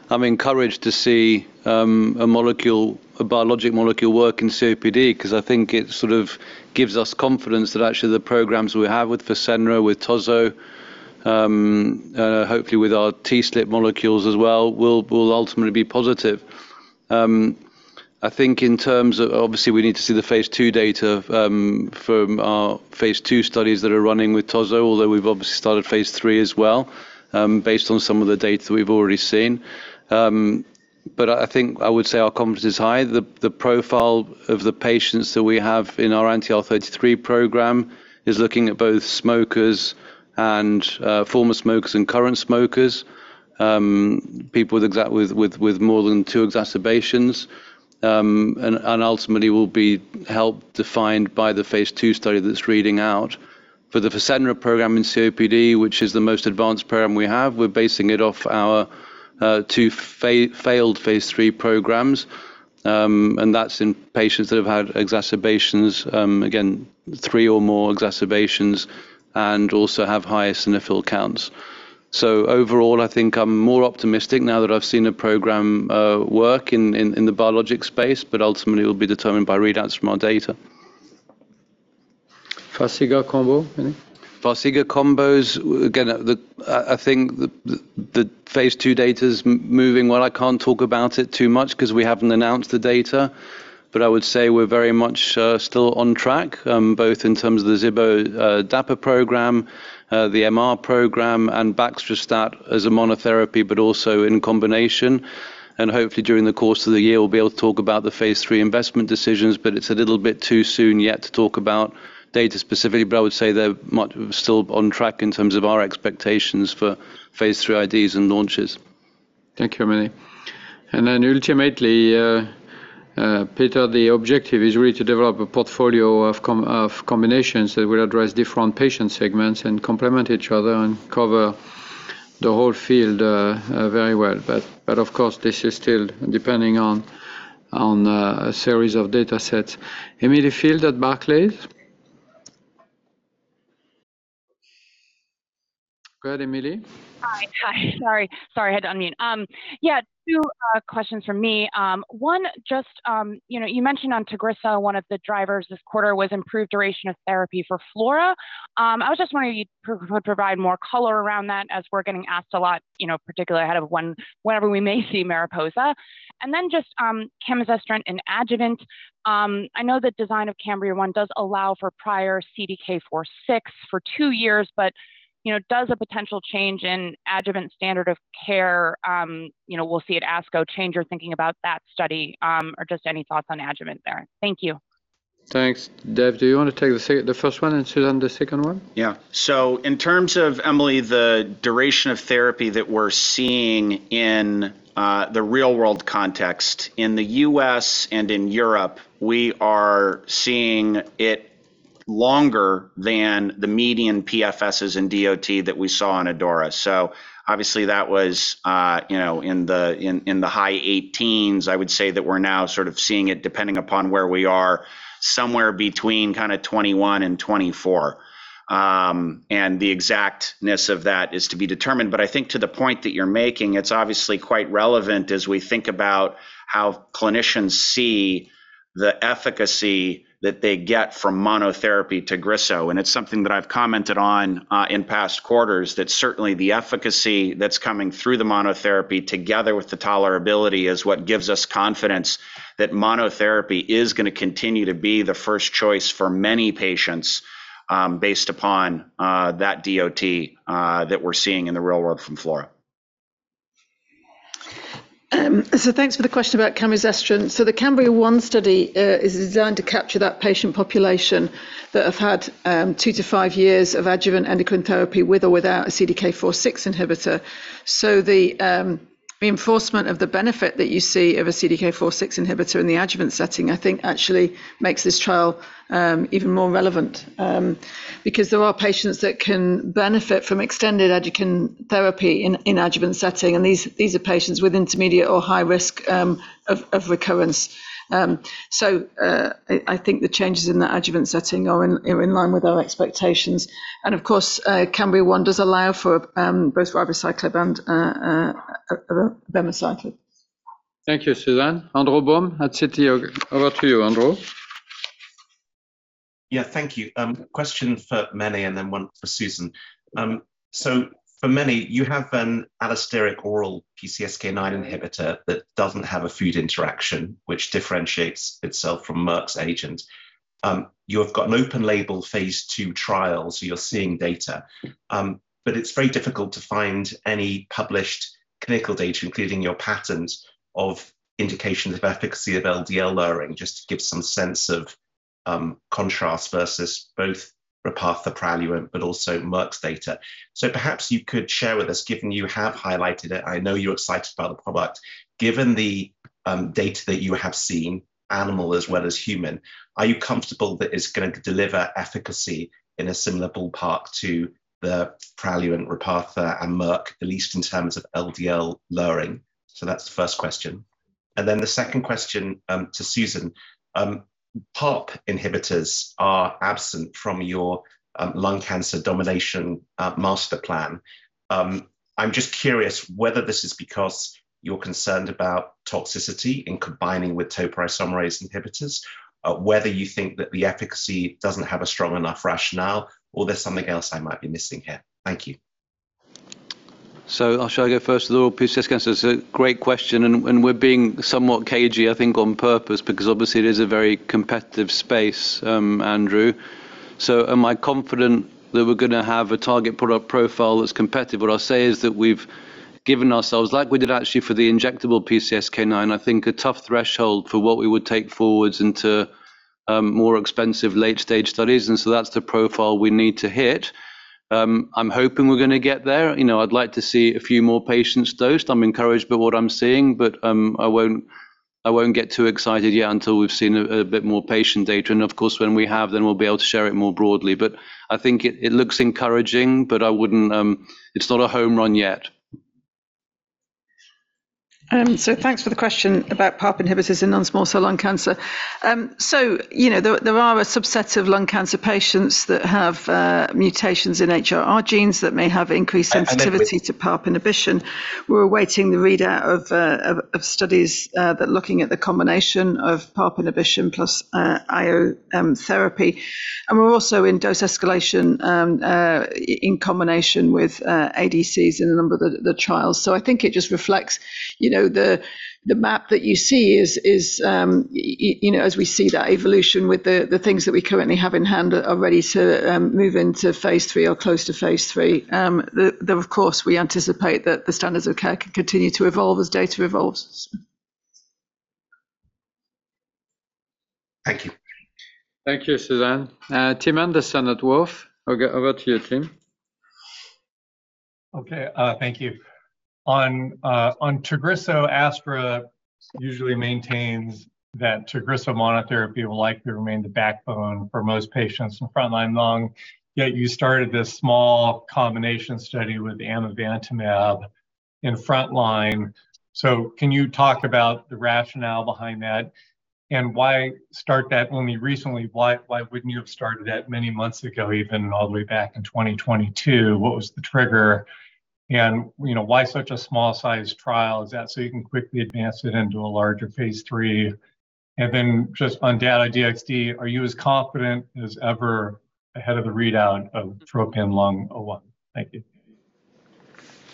I'm encouraged to see a molecule, a biologic molecule work in COPD because I think it sort of gives us confidence that actually the programs we have with Fasenra, with tozo, hopefully with our TSLP molecules as well, will ultimately be positive. I think in terms of obviously we need to see the phase II data from our phase II studies that are running with tozo, although we've obviously started phase III as well, based on some of the data that we've already seen. But I think I would say our confidence is high. The profile of the patients that we have in our anti-IL-33 program is looking at both smokers and former smokers and current smokers, people with exa— with more than two exacerbations, and ultimately will be helped defined by the phase II study that's reading out. For the Fasenra program in COPD, which is the most advanced program we have, we're basing it off our two failed phase III programs, and that's in patients that have had exacerbations, again, three or more exacerbations and also have high eosinophil counts. Overall, I think I'm more optimistic now that I've seen a program work in the biologics space. Ultimately it will be determined by readouts from our data. Farxiga combo, Mene? Farxiga combos. Again, I think the phase II data's moving well. I can't talk about it too much because we haven't announced the data, but I would say we're very much still on track, both in terms of the zibo-dapa program, the MR program and baxdrostat as a monotherapy, but also in combination. Hopefully during the course of the year we'll be able to talk about the phase III investment decisions. It's a little bit too soon yet to talk about data specifically. I would say they're much still on track in terms of our expectations for phase III IDs and launches. Thank you, Mene. Ultimately, Peter, the objective is really to develop a portfolio of combinations that will address different patient segments and complement each other and cover the whole field very well. Of course this is still depending on a series of datasets. Emily Field at Barclays. Go ahead, Emily. Hi. Hi. Sorry. Sorry, I had to unmute. Yeah, two questions from me. One, just, you know, you mentioned on Tagrisso one of the drivers this quarter was improved duration of therapy for FLAURA. I was just wondering if you could provide more color around that as we're getting asked a lot, you know, particularly ahead of whenever we may see MARIPOSA. Just, camizestrant and adjuvant. I know the design of CAMBRIA-1 does allow for prior CDK4/6 for two years. You know, does a potential change in adjuvant standard of care, you know, we'll see at ASCO change your thinking about that study? Just any thoughts on adjuvant there? Thank you. Thanks. Dave, do you want to take the first one and Susan the second one? In terms of, Emily, the duration of therapy that we're seeing in the real world context, in the U.S. and in Europe, we are seeing it longer than the median PFSs and DOT that we saw on ADAURA. Obviously that was, you know, in the high 18s. I would say that we're now sort of seeing it depending upon where we are, somewhere between kind of 21 and 24. The exactness of that is to be determined. I think to the point that you're making, it's obviously quite relevant as we think about how clinicians see the efficacy that they get from monotherapy Tagrisso. It's something that I've commented on in past quarters, that certainly the efficacy that's coming through the monotherapy together with the tolerability is what gives us confidence that monotherapy is gonna continue to be the first choice for many patients, based upon that DOT that we're seeing in the real world from FLAURA. Thanks for the question about camizestrant. The CAMBRIA-1 study is designed to capture that patient population that have had two to five years of adjuvant endocrine therapy with or without a CDK4/6 inhibitor. The reinforcement of the benefit that you see of a CDK4/6 inhibitor in the adjuvant setting, I think actually makes this trial even more relevant. Because there are patients that can benefit from extended adjuvant therapy in adjuvant setting, and these are patients with intermediate or high risk of recurrence. I think the changes in the adjuvant setting are in, in line with our expectations. And of course, CAMBRIA-1 does allow for both ribociclib and abemaciclib. Thank you, Susan. Andrew Baum at Citi. Over to you, Andrew. Yeah, thank you. Question for Mene and then one for Susan. For Mene, you have an allosteric oral PCSK9 inhibitor that doesn't have a food interaction, which differentiates itself from Merck's agent. You have got an open label phase II trial, you're seeing data. It's very difficult to find any published clinical data, including your patents, of indications of efficacy of LDL lowering. Just to give some sense of contrast versus both Repatha, Praluent, also Merck's data. Perhaps you could share with us, given you have highlighted it, I know you're excited about the product, given the data that you have seen, animal as well as human, are you comfortable that it's gonna deliver efficacy in a similar ballpark to the Praluent, Repatha, and Merck, at least in terms of LDL lowering? That's the first question. The second question, to Susan, PARP inhibitors are absent from your lung cancer domination master plan. I'm just curious whether this is because you're concerned about toxicity in combining with topoisomerase inhibitors, whether you think that the efficacy doesn't have a strong enough rationale or there's something else I might be missing here? Thank you. I'll show you first of all PCSK9. It's a great question, and we're being somewhat cagey I think on purpose because obviously it is a very competitive space, Andrew. Am I confident that we're gonna have a target product profile that's competitive? What I'll say is that we've given ourselves, like we did actually for the injectable PCSK9, I think a tough threshold for what we would take forwards into more expensive late-stage studies, that's the profile we need to hit. I'm hoping we're gonna get there. You know, I'd like to see a few more patients dosed. I'm encouraged by what I'm seeing, but I won't get too excited yet until we've seen a bit more patient data. Of course, when we have, we'll be able to share it more broadly. I think it looks encouraging, but I wouldn't... It's not a home run yet. Thanks for the question about PARP inhibitors in non-small cell lung cancer. You know, there are a subset of lung cancer patients that have mutations in HRR genes that may have increased sensitivity to PARP inhibition. We're awaiting the readout of studies that looking at the combination of PARP inhibition plus IO therapy, and we're also in dose escalation in combination with ADCs in a number of the trials. I think it just reflects, you know, the map that you see is, you know, as we see that evolution with the things that we currently have in hand are ready to move into phase III or close to phase III. Of course, we anticipate that the standards of care can continue to evolve as data evolves. Thank you. Thank you, Susan. Tim Anderson at Wolfe. Over to you, Tim. Thank you. On Tagrisso, Astra usually maintains that Tagrisso monotherapy will likely remain the backbone for most patients in front line lung, yet you started this small combination study with amivantamab in front line. Can you talk about the rationale behind that? Why start that only recently? Why wouldn't you have started that many months ago, even all the way back in 2022? What was the trigger? You know, why such a small size trial? Is that so you can quickly advance it into a larger phase III? Just on Dato-DXd, are you as confident as ever ahead of the readout of TROPION-Lung01? Thank you.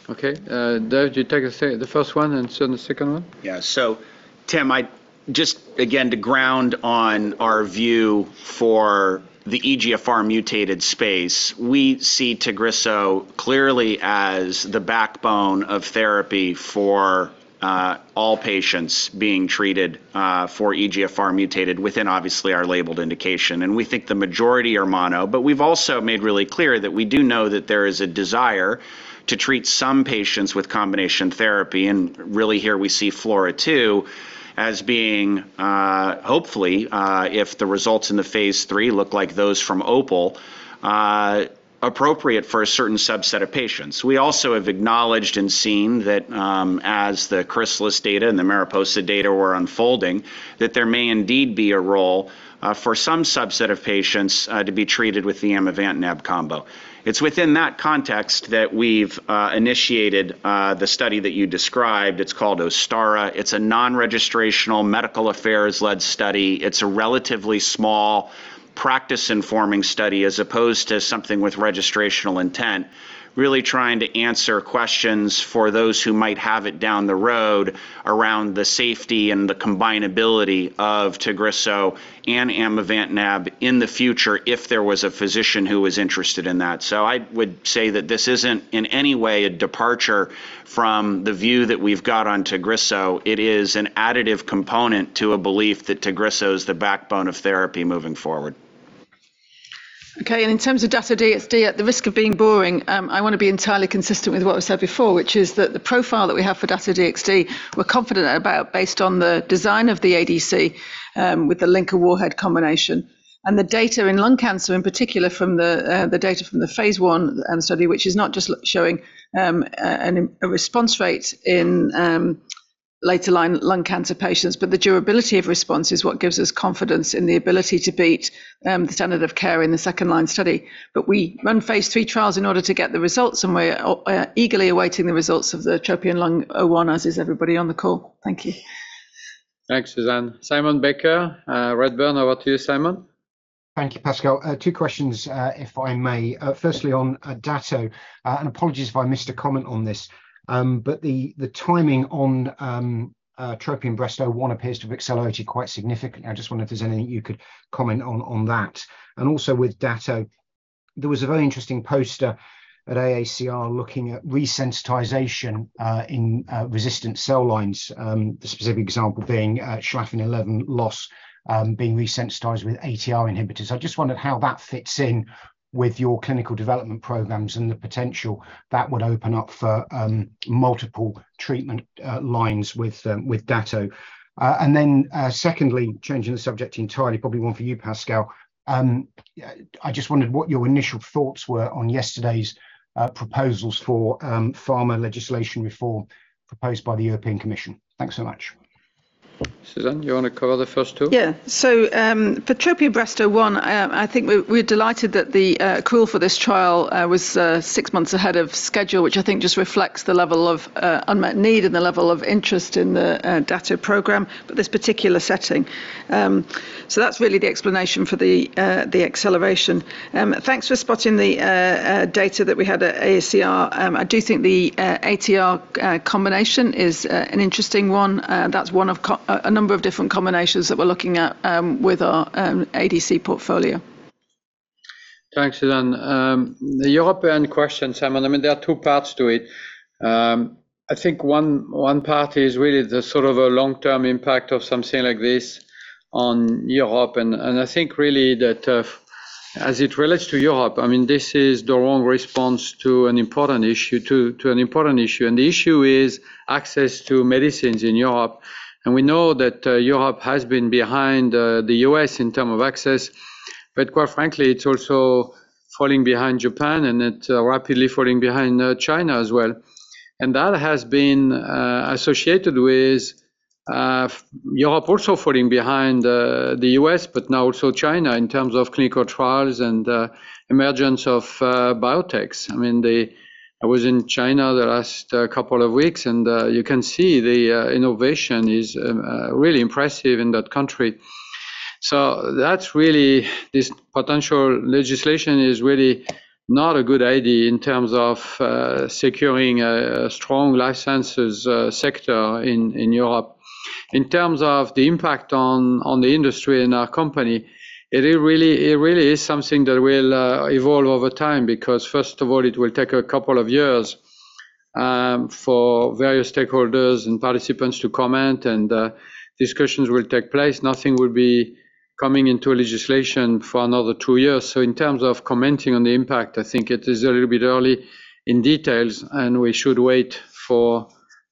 Okay. Dave, do you take us through the first one, and Susan, the second one? Tim, I just again to ground on our view for the EGFR- mutated space, we see Tagrisso clearly as the backbone of therapy for all patients being treated for EGFR mutated within obviously our labeled indication. We think the majority are mono, but we've also made really clear that we do know that there is a desire to treat some patients with combination therapy. Really here we see FLAURA2 as being hopefully if the results in the phase III look like those from OPAL appropriate for a certain subset of patients. We also have acknowledged and seen that as the CHRYSALIS data and the MARIPOSA data were unfolding, that there may indeed be a role for some subset of patients to be treated with the amivantamab combo. It's within that context that we've initiated the study that you described. It's called OSTARA. It's a non-registrational medical affairs-led study. It's a relatively small practice-informing study as opposed to something with registrational intent, really trying to answer questions for those who might have it down the road around the safety and the combinability of Tagrisso and amivantamab in the future if there was a physician who was interested in that. I would say that this isn't in any way a departure from the view that we've got on Tagrisso. It is an additive component to a belief that Tagrisso is the backbone of therapy moving forward. Okay. In terms of Dato-DXd, at the risk of being boring, I wanna be entirely consistent with what was said before, which is that the profile that we have for Dato-DXd, we're confident about based on the design of the ADC, with the link of warhead combination. The data in lung cancer, in particular from the data from the phase I study, which is not just showing a response rate in later line lung cancer patients, but the durability of response is what gives us confidence in the ability to beat the standard of care in the second line study. We run phase III trials in order to get the results, and we're eagerly awaiting the results of the TROPION-Lung01, as is everybody on the call. Thank you. Thanks, Susan. Simon Baker, Redburn, over to you, Simon. Thank you, Pascal. two questions, if I may. Firstly, on Dato, and apologies if I missed a comment on this, but the timing on TROPION-Breast01 appears to have accelerated quite significantly. I just wonder if there's anything you could comment on that. Also with Dato. There was a very interesting poster at AACR looking at resensitization, in resistant cell lines, the specific example being SLFN11 loss, being resensitized with ATR inhibitors. I just wondered how that fits in with your clinical development programs and the potential that would open up for multiple treatment lines with with Dato. Secondly, changing the subject entirely, probably one for you, Pascal. I just wondered what your initial thoughts were on yesterday's proposals for pharma legislation reform proposed by the European Commission. Thanks so much. Susan, you wanna cover the first two? Yeah. For TROPION-Breast01, I think we're delighted that the call for this trial was six months ahead of schedule, which I think just reflects the level of unmet need and the level of interest in the Dato program, for this particular setting. That's really the explanation for the acceleration. Thanks for spotting the data that we had at AACR. I do think the ATR combination is an interesting one. That's one of a number of different combinations that we're looking at with our ADC portfolio. Thanks, Susan. The European question, Simon, I mean, there are two parts to it. I think one part is really the sort of a long-term impact of something like this on Europe. I think really that, as it relates to Europe, I mean, this is the wrong response to an important issue. The issue is access to medicines in Europe. We know that Europe has been behind the U.S. in term of access. Quite frankly, it's also falling behind Japan, and it's rapidly falling behind China as well. That has been associated with Europe also falling behind the U.S., but now also China in terms of clinical trials and emergence of biotechs. I mean. I was in China the last couple of weeks, you can see the innovation is really impressive in that country. That's really this potential legislation is really not a good idea in terms of securing a strong licenses sector in Europe. In terms of the impact on the industry and our company, it really is something that will evolve over time because first of all, it will take a couple of years for various stakeholders and participants to comment, discussions will take place. Nothing will be coming into legislation for another two years. In terms of commenting on the impact, I think it is a little bit early in details, we should wait for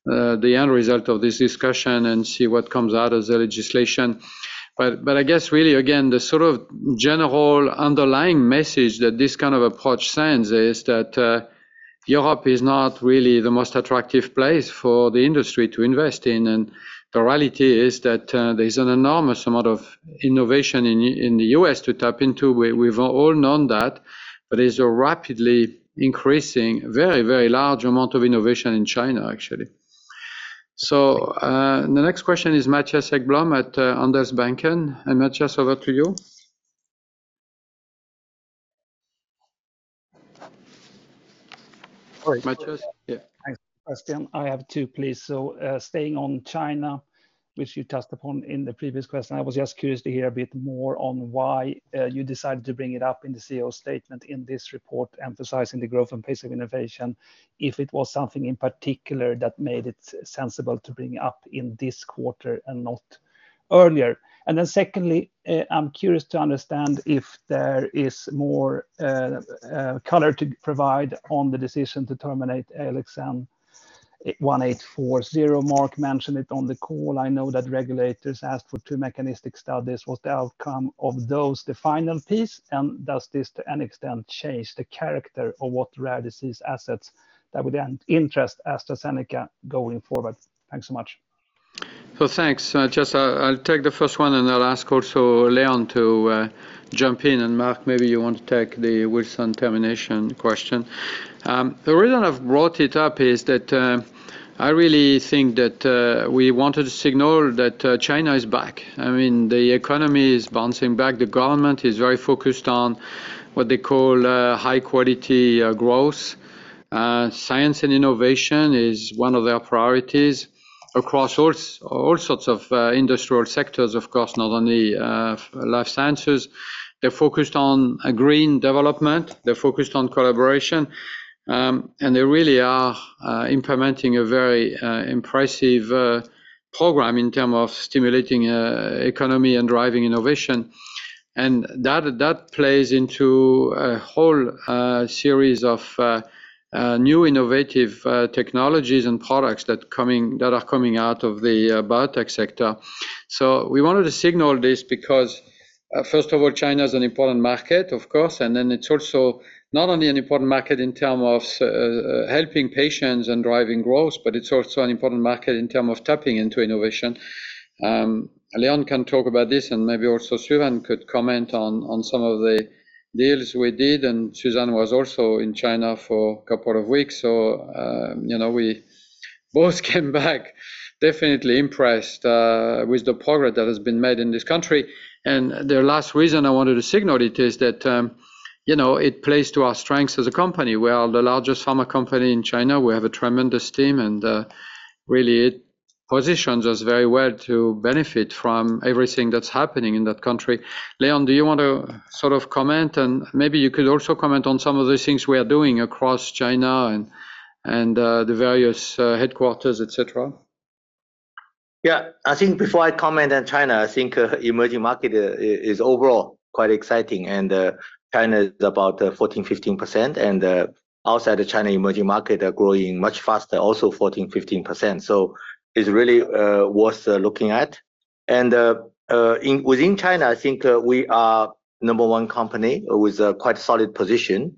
the end result of this discussion and see what comes out of the legislation. I guess really again, the sort of general underlying message that this kind of approach sends is that Europe is not really the most attractive place for the industry to invest in. The reality is that there's an enormous amount of innovation in the U.S. to tap into. We've all known that. There's a rapidly increasing— very, very large amount of innovation in China, actually. The next question is Mattias Häggblom at Handelsbanken. Mattias, over to you. Pascal, I have two, please. Staying on China, which you touched upon in the previous question, I was just curious to hear a bit more on why you decided to bring it up in the CEO statement in this report, emphasizing the growth and pace of innovation, if it was something in particular that made it sensible to bring it up in this quarter and not earlier. Secondly, I'm curious to understand if there is more color to provide on the decision to terminate ALXN1840. Marc mentioned it on the call. I know that regulators asked for two mechanistic studies. Was the outcome of those the final piece? Does this, to any extent, change the character of what rare disease assets that would then interest AstraZeneca going forward? Thanks so much. Thanks, Mattias. I'll take the first one, and I'll ask also Leon to jump in. Marc, maybe you want to take the Wilson termination question. The reason I've brought it up is that I really think that we wanted to signal that China is back. I mean, the economy is bouncing back. The government is very focused on what they call high quality growth. Science and innovation is one of their priorities across all sorts of industrial sectors, of course, not only life sciences. They're focused on a green development. They're focused on collaboration. They really are implementing a very impressive program in term of stimulating economy and driving innovation. That plays into a whole series of new innovative technologies and products that are coming out of the biotech sector. We wanted to signal this because first of all, China is an important market, of course. It's also not only an important market in term of helping patients and driving growth, but it's also an important market in term of tapping into innovation. Leon can talk about this and maybe also Susan could comment on some of the deals we did. Susan was also in China for a couple of weeks. You know, we both came back definitely impressed with the progress that has been made in this country. The last reason I wanted to signal it is that, you know, it plays to our strengths as a company. We are the largest pharma company in China. We have a tremendous team, and really positions us very well to benefit from everything that's happening in that country. Leon, do you want to sort of comment? Maybe you could also comment on some of the things we are doing across China and the various headquarters, et cetera. Yeah, I think before I comment on China, I think emerging market is overall quite exciting. China is about 14%, 15%, and outside of China, emerging market are growing much faster, also 14%, 15%. It's really worth looking at. Within China, I think we are number one company with a quite solid position.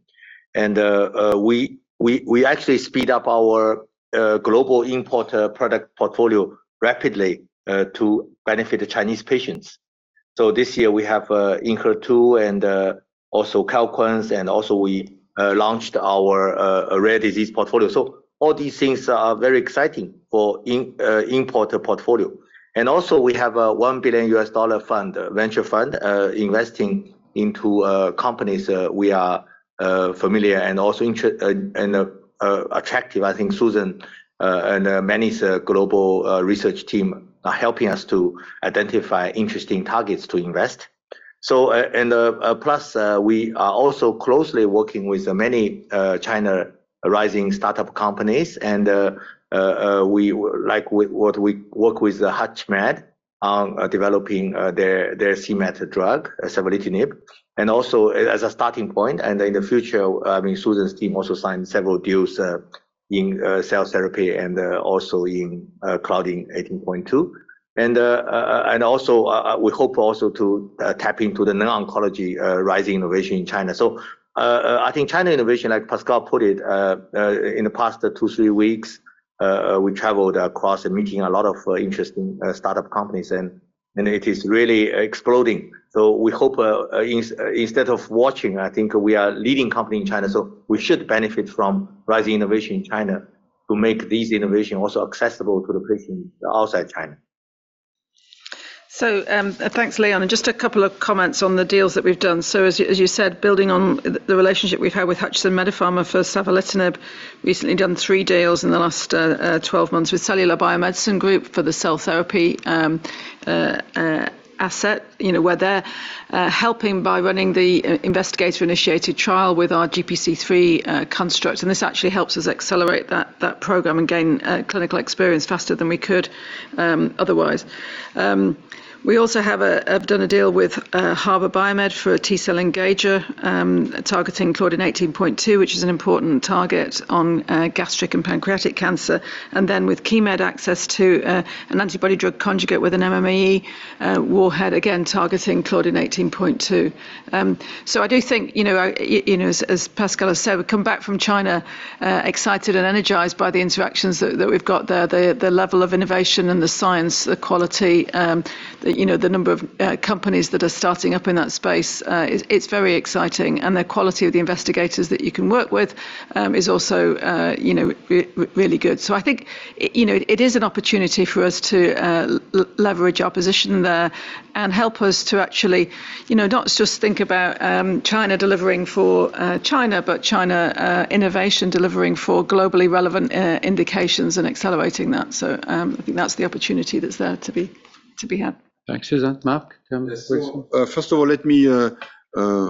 We actually speed up our global import product portfolio rapidly to benefit the Chinese patients. This year we have Enhertu and also Calquence, and also we launched our rare disease portfolio. All these things are very exciting for import portfolio. Also we have a $1 billion fund, venture fund, investing into companies we are familiar and also attractive. I think Susan and Mene's global research team are helping us to identify interesting targets to invest. Plus, we are also closely working with many China rising startup companies. We like with what we work with HUTCHMED on developing their cMET drug, savolitinib. Also as a starting point, and in the future, I mean, Susan's team also signed several deals in cell therapy and also in Claudin 18.2. Also, we hope also to tap into the non-oncology rising innovation in China. I think China innovation, like Pascal put it, in the past two, three weeks, we traveled across and meeting a lot of interesting startup companies and it is really exploding. We hope, instead of watching, I think we are leading company in China, so we should benefit from rising innovation in China to make this innovation also accessible to the patients outside China. Thanks, Leon. Just a couple of comments on the deals that we've done. As you said, building on the relationship we've had with Hutchison MediPharma for savolitinib, recently done three deals in the last 12 months with Cellular Biomedicine Group for the cell therapy asset, you know, where they're helping by running the investigator-initiated trial with our GPC3 construct. This actually helps us accelerate that program and gain clinical experience faster than we could otherwise. We also have done a deal with Harbour BioMed for a T-cell engager, targeting Claudin 18.2, which is an important target on gastric and pancreatic cancer. With Chemed access to an antibody-drug conjugate with an MMAE warhead, again, targeting Claudin 18.2. I do think, you know, as Pascal has said, we come back from China, excited and energized by the interactions that we've got there. The level of innovation and the science, the quality, the, you know, the number of companies that are starting up in that space, it's very exciting. The quality of the investigators that you can work with, is also, you know, really good. I think, you know, it is an opportunity for us to leverage our position there and help us to actually, you know, not just think about, China delivering for China, but China innovation delivering for globally relevant indications and accelerating that. I think that's the opportunity that's there to be had. Thanks, Susan. Marc, do you wanna answer the questions? First of all, let me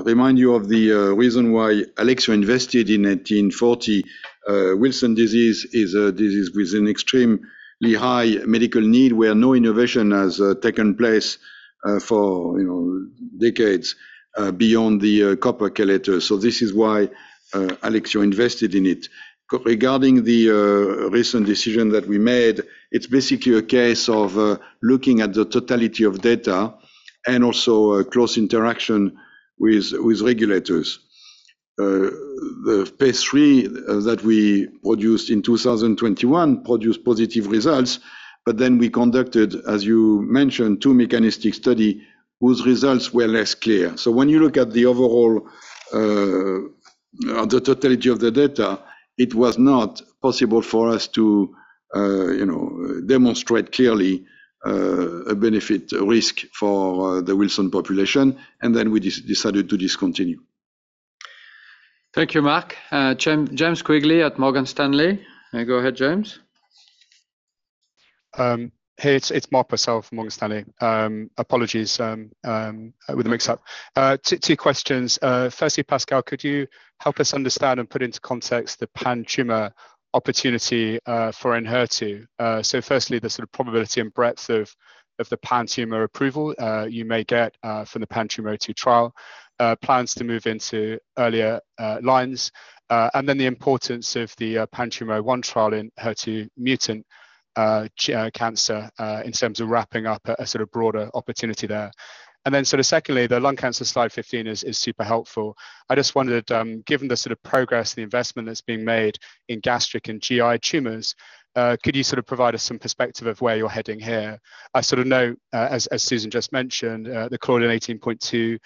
remind you of the reason why Alexion invested in 1840. Wilson disease is a disease with an extremely high medical need where no innovation has taken place for, you know, decades beyond the copper chelator. This is why Alexion invested in it. Regarding the recent decision that we made, it's basically a case of looking at the totality of data and also a close interaction with regulators. The phase III that we produced in 2021 produced positive results, but then we conducted, as you mentioned, two mechanistic study whose results were less clear. When you look at the overall, the totality of the data, it was not possible for us to, you know, demonstrate clearly, a benefit risk for the Wilson population, and then we decided to discontinue. Thank you, Marc. James Quigley at Morgan Stanley. Go ahead, James. Hey, it's Mark Purcell from Morgan Stanley. Apologies, with the mix up. Two questions. Firstly, Pascal, could you help us understand and put into context the PanTumor opportunity for Enhertu? Firstly, the sort of probability and breadth of the PanTumor approval you may get from the PanTumor02 trial, plans to move into earlier lines, the importance of the PanTumor01 trial in HER2 mutant cancer in terms of wrapping up a sort of broader opportunity there. Secondly, the lung cancer slide 15 is super helpful. I just wondered, given the sort of progress, the investment that's being made in gastric and GI tumors, could you sort of provide us some perspective of where you're heading here? I sort of know, as Susan just mentioned, the Claudin 18.2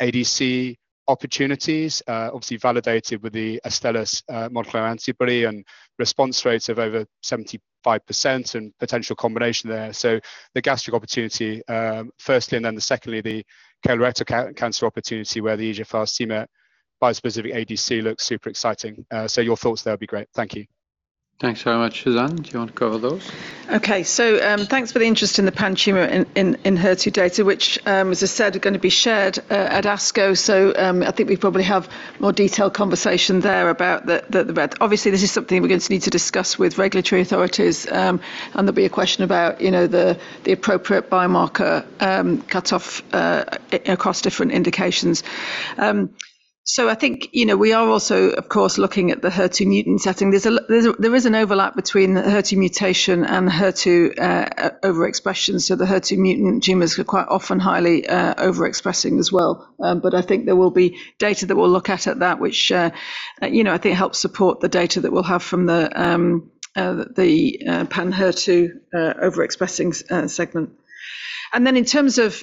ADC opportunities, obviously validated with the Astellas monoclonal antibody and response rates of over 75% and potential combination there. The gastric opportunity, firstly, and then secondly, the colorectal cancer opportunity where the EGFR cMET bispecific ADC looks super exciting. Your thoughts there would be great. Thank you. Thanks very much, Susan. Do you want to cover those? Okay. Thanks for the interest in the PanTumor in HER2 data, which, as I said, are gonna be shared at ASCO. I think we probably have more detailed conversation there about obviously, this is something we're going to need to discuss with regulatory authorities, and there'll be a question about, you know, the appropriate biomarker cutoff across different indications. I think, you know, we are also of course looking at the HER2 mutant setting. There's a, there is an overlap between the HER2 mutation and the HER2 overexpression, so the HER2 mutant tumors are quite often highly overexpressing as well. I think there will be data that we'll look at at that which, you know, I think helps support the data that we'll have from the Pan HER2 overexpressing segment. In terms of,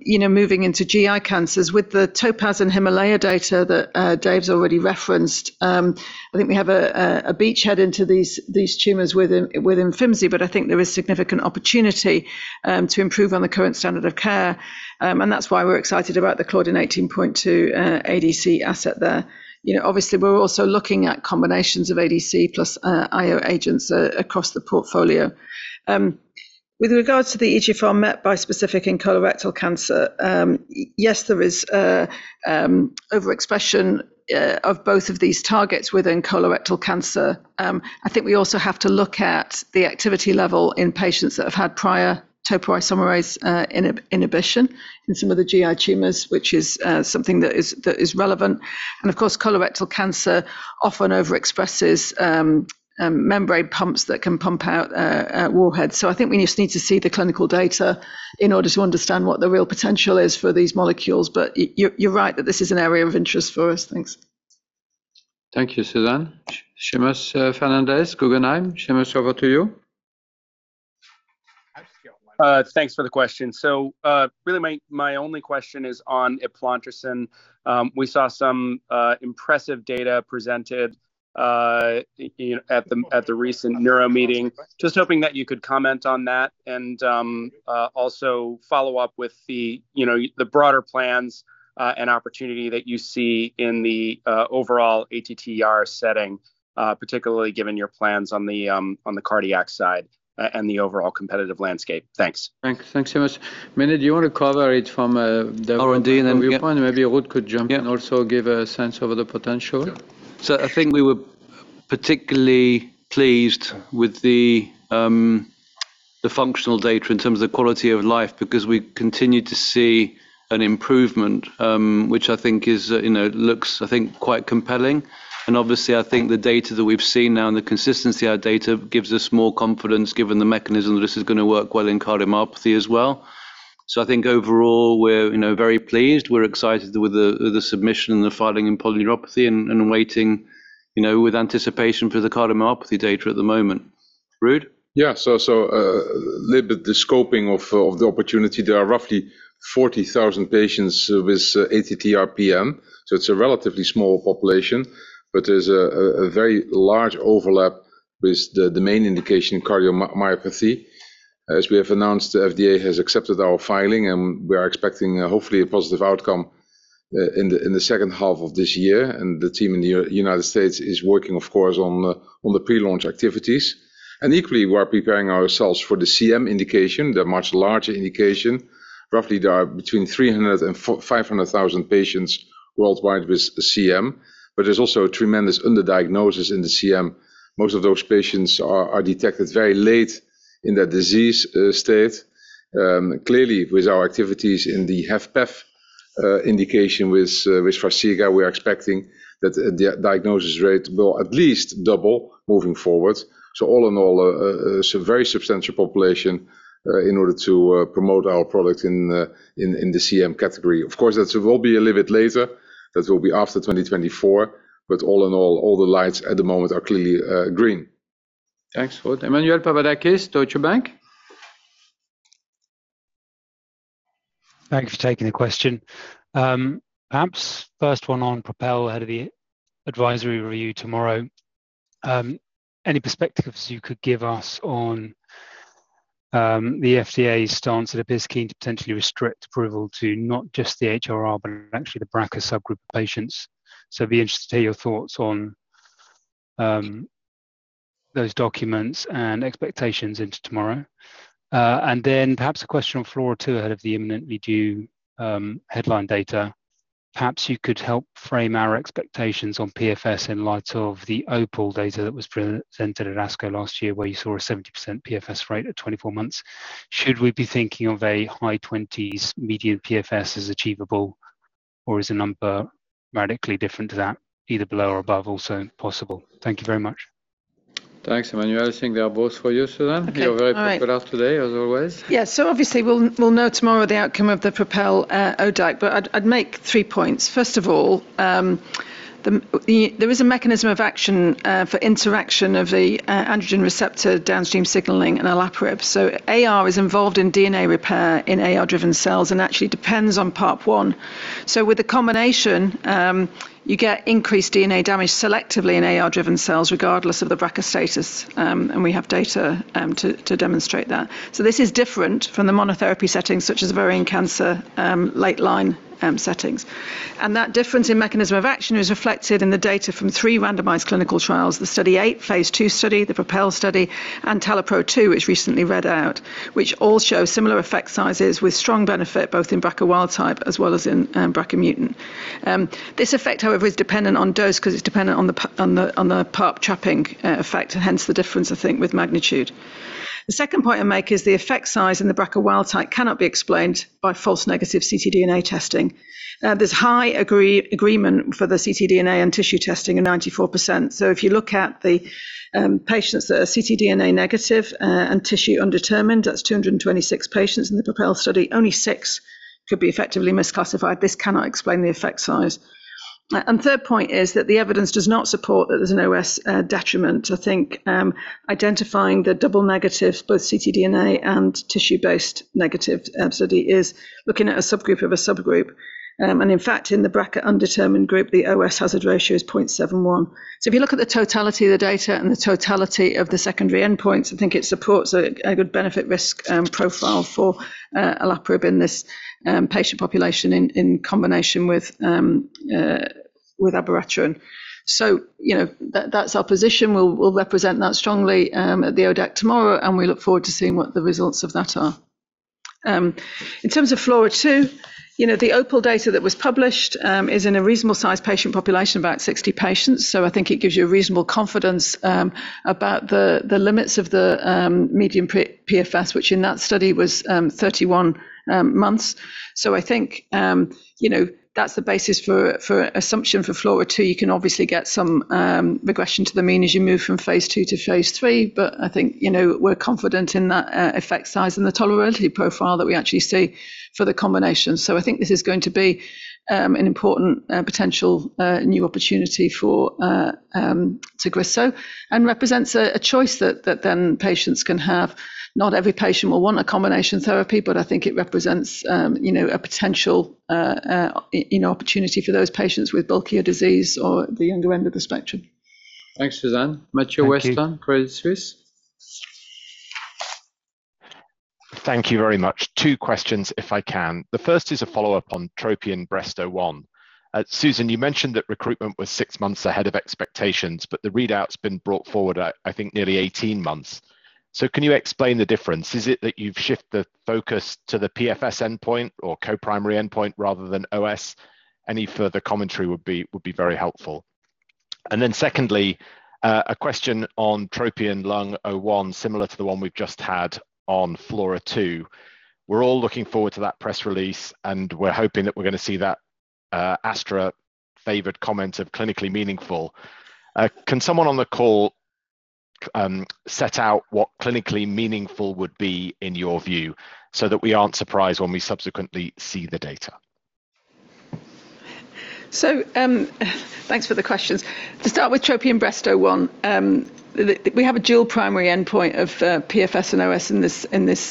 you know, moving into GI cancers, with the TOPAZ and HIMALAYA data that Dave's already referenced, I think we have a beachhead into these tumors with Imfinzi, but I think there is significant opportunity to improve on the current standard of care, and that's why we're excited about the Claudin 18.2 ADC asset there. You know, obviously we're also looking at combinations of ADC plus IO agents across the portfolio. With regards to the EGFR MET bispecific in colorectal cancer, yes, there is overexpression of both of these targets within colorectal cancer. I think we also have to look at the activity level in patients that have had prior topoisomerase inhibition in some of the GI tumors, which is something that is relevant. Of course, colorectal cancer often overexpresses membrane pumps that can pump out warheads. I think we just need to see the clinical data in order to understand what the real potential is for these molecules. You're right that this is an area of interest for us. Thanks. Thank you, Susan. Seamus Fernandez, Guggenheim. Seamus, over to you. Thanks for the question. Really my only question is on eplontersen. We saw some impressive data presented, you know, at the recent neuro meeting. Just hoping that you could comment on that and also follow up with the, you know, the broader plans and opportunity that you see in the overall ATTR setting, particularly given your plans on the cardiac side and the overall competitive landscape. Thanks. Thanks. Thanks, Seamus. Mene, do you want to cover it from R&D and maybe Ruud could jump in and also give a sense of the potential. I think we were particularly pleased with the functional data in terms of quality of life because we continue to see an improvement, which I think is, you know, looks, I think, quite compelling. Obviously, I think the data that we've seen now and the consistency of our data gives us more confidence given the mechanism that this is gonna work well in cardiomyopathy as well. I think overall we're, you know, very pleased. We're excited with the submission and the filing in polyneuropathy and waiting, you know, with anticipation for the cardiomyopathy data at the moment. Ruud? So, so, little bit the scoping of the opportunity. There are roughly 40,000 patients with ATTR-PN, so it's a relatively small population, but there's a very large overlap with the main indication cardiomyopathy. As we have announced, the FDA has accepted our filing, and we are expecting, hopefully, a positive outcome in the second half of this year. The team in the United States is working, of course, on the pre-launch activities. Equally, we are preparing ourselves for the CM indication, the much larger indication. Roughly there are between 300,000 and 500,000 patients worldwide with CM, but there's also a tremendous underdiagnosis in the CM. Most of those patients are detected very late in their disease state. Clearly with our activities in the HFpEF indication with Farxiga, we are expecting that diagnosis rate will at least double moving forward. All in all, it's a very substantial population in order to promote our product in the CM category. Of course, that will be a little bit later, that will be after 2024. All in all the lights at the moment are clearly green. Thanks, Ruud. Emmanuel Papadakis, Deutsche Bank. Thank you for taking the question. Perhaps first one on PROpel ahead of the advisory review tomorrow. Any perspectives you could give us on the FDA stance that it is keen to potentially restrict approval to not just the HRR, but actually the BRCA subgroup of patients. Be interested to hear your thoughts on those documents and expectations into tomorrow. Perhaps a question on FLAURA2 ahead of the imminently due headline data. Perhaps you could help frame our expectations on PFS in light of the OPAL data that was presented at ASCO last year, where you saw a 70% PFS rate at 24 months. Should we be thinking of a high 20s median PFS is achievable or is the number radically different to that, either below or above also possible? Thank you very much. Thanks, Emmanuel. I think they are both for you, Susan. You're very prepared today as always. Obviously we'll know tomorrow the outcome of the PROpel ODAC, but I'd make three points. First of all, there is a mechanism of action for interaction of the androgen receptor downstream signaling in olaparib. AR is involved in DNA repair in AR-driven cells and actually depends on PARP1. With the combination, you get increased DNA damage selectively in AR-driven cells regardless of the BRCA status, and we have data to demonstrate that. This is different from the monotherapy setting such as ovarian cancer, late-line settings. That difference in mechanism of action is reflected in the data from three randomized clinical trials: the study eight phase II study, the PROpel study, and TALAPRO-2, which recently read out, which all show similar effect sizes with strong benefit both in BRCA wild type as well as in BRCA mutant. This effect, however, is dependent on dose 'cause it's dependent on the PARP-trapping effect, hence the difference, I think, with magnitude. The second point I make is the effect size in the BRCA wild type cannot be explained by false negative ctDNA testing. There's high agreement for the ctDNA and tissue testing at 94%. If you look at the patients that are ctDNA negative and tissue undetermined, that's 226 patients in the PROpel study, only six could be effectively misclassified. This cannot explain the effect size. Third point is that the evidence does not support that there's an OS detriment. I think, identifying the double negatives, both ctDNA and tissue-based negative absolutely is looking at a subgroup of a subgroup. In fact, in the BRCA undetermined group, the OS hazard ratio is 0.71. If you look at the totality of the data and the totality of the secondary endpoints, I think it supports a good benefit risk profile for olaparib in this patient population in combination with abiraterone. You know, that's our position. We'll represent that strongly at the ODAC tomorrow, and we look forward to seeing what the results of that are. In terms of FLAURA2, you know, the OPAL data that was published is in a reasonable-sized patient population, about 60 patients, so I think it gives you a reasonable confidence about the limits of the median PFS, which in that study was 31 months. I think, you know, that's the basis for assumption for FLAURA2. You can obviously get some regression to the mean as you move from phase II to phase III, but I think, you know, we're confident in that effect size and the tolerability profile that we actually see for the combination. I think this is going to be an important potential new opportunity for Tagrisso. Represents a choice that then patients can have. Not every patient will want a combination therapy, but I think it represents, you know, a potential, you know, opportunity for those patients with bulkier disease or the younger end of the spectrum. Thanks, Susan. Matthew Weston, Credit Suisse. Thank you very much. Two questions if I can. The first is a follow-up on TROPION-Breast01. Susan, you mentioned that recruitment was six months ahead of expectations, but the readout's been brought forward I think nearly 18 months. Can you explain the difference? Is it that you've shifted the focus to the PFS endpoint or co-primary endpoint rather than OS? Any further commentary would be very helpful. Secondly, a question on TROPION-Lung01, similar to the one we've just had on FLAURA2. We're all looking forward to that press release, and we're hoping that we're gonna see that Astra favored comment of clinically meaningful. Can someone on the call set out what clinically meaningful would be in your view so that we aren't surprised when we subsequently see the data? Thanks for the questions. To start with TROPION-Breast01, We have a dual primary endpoint of PFS and OS in this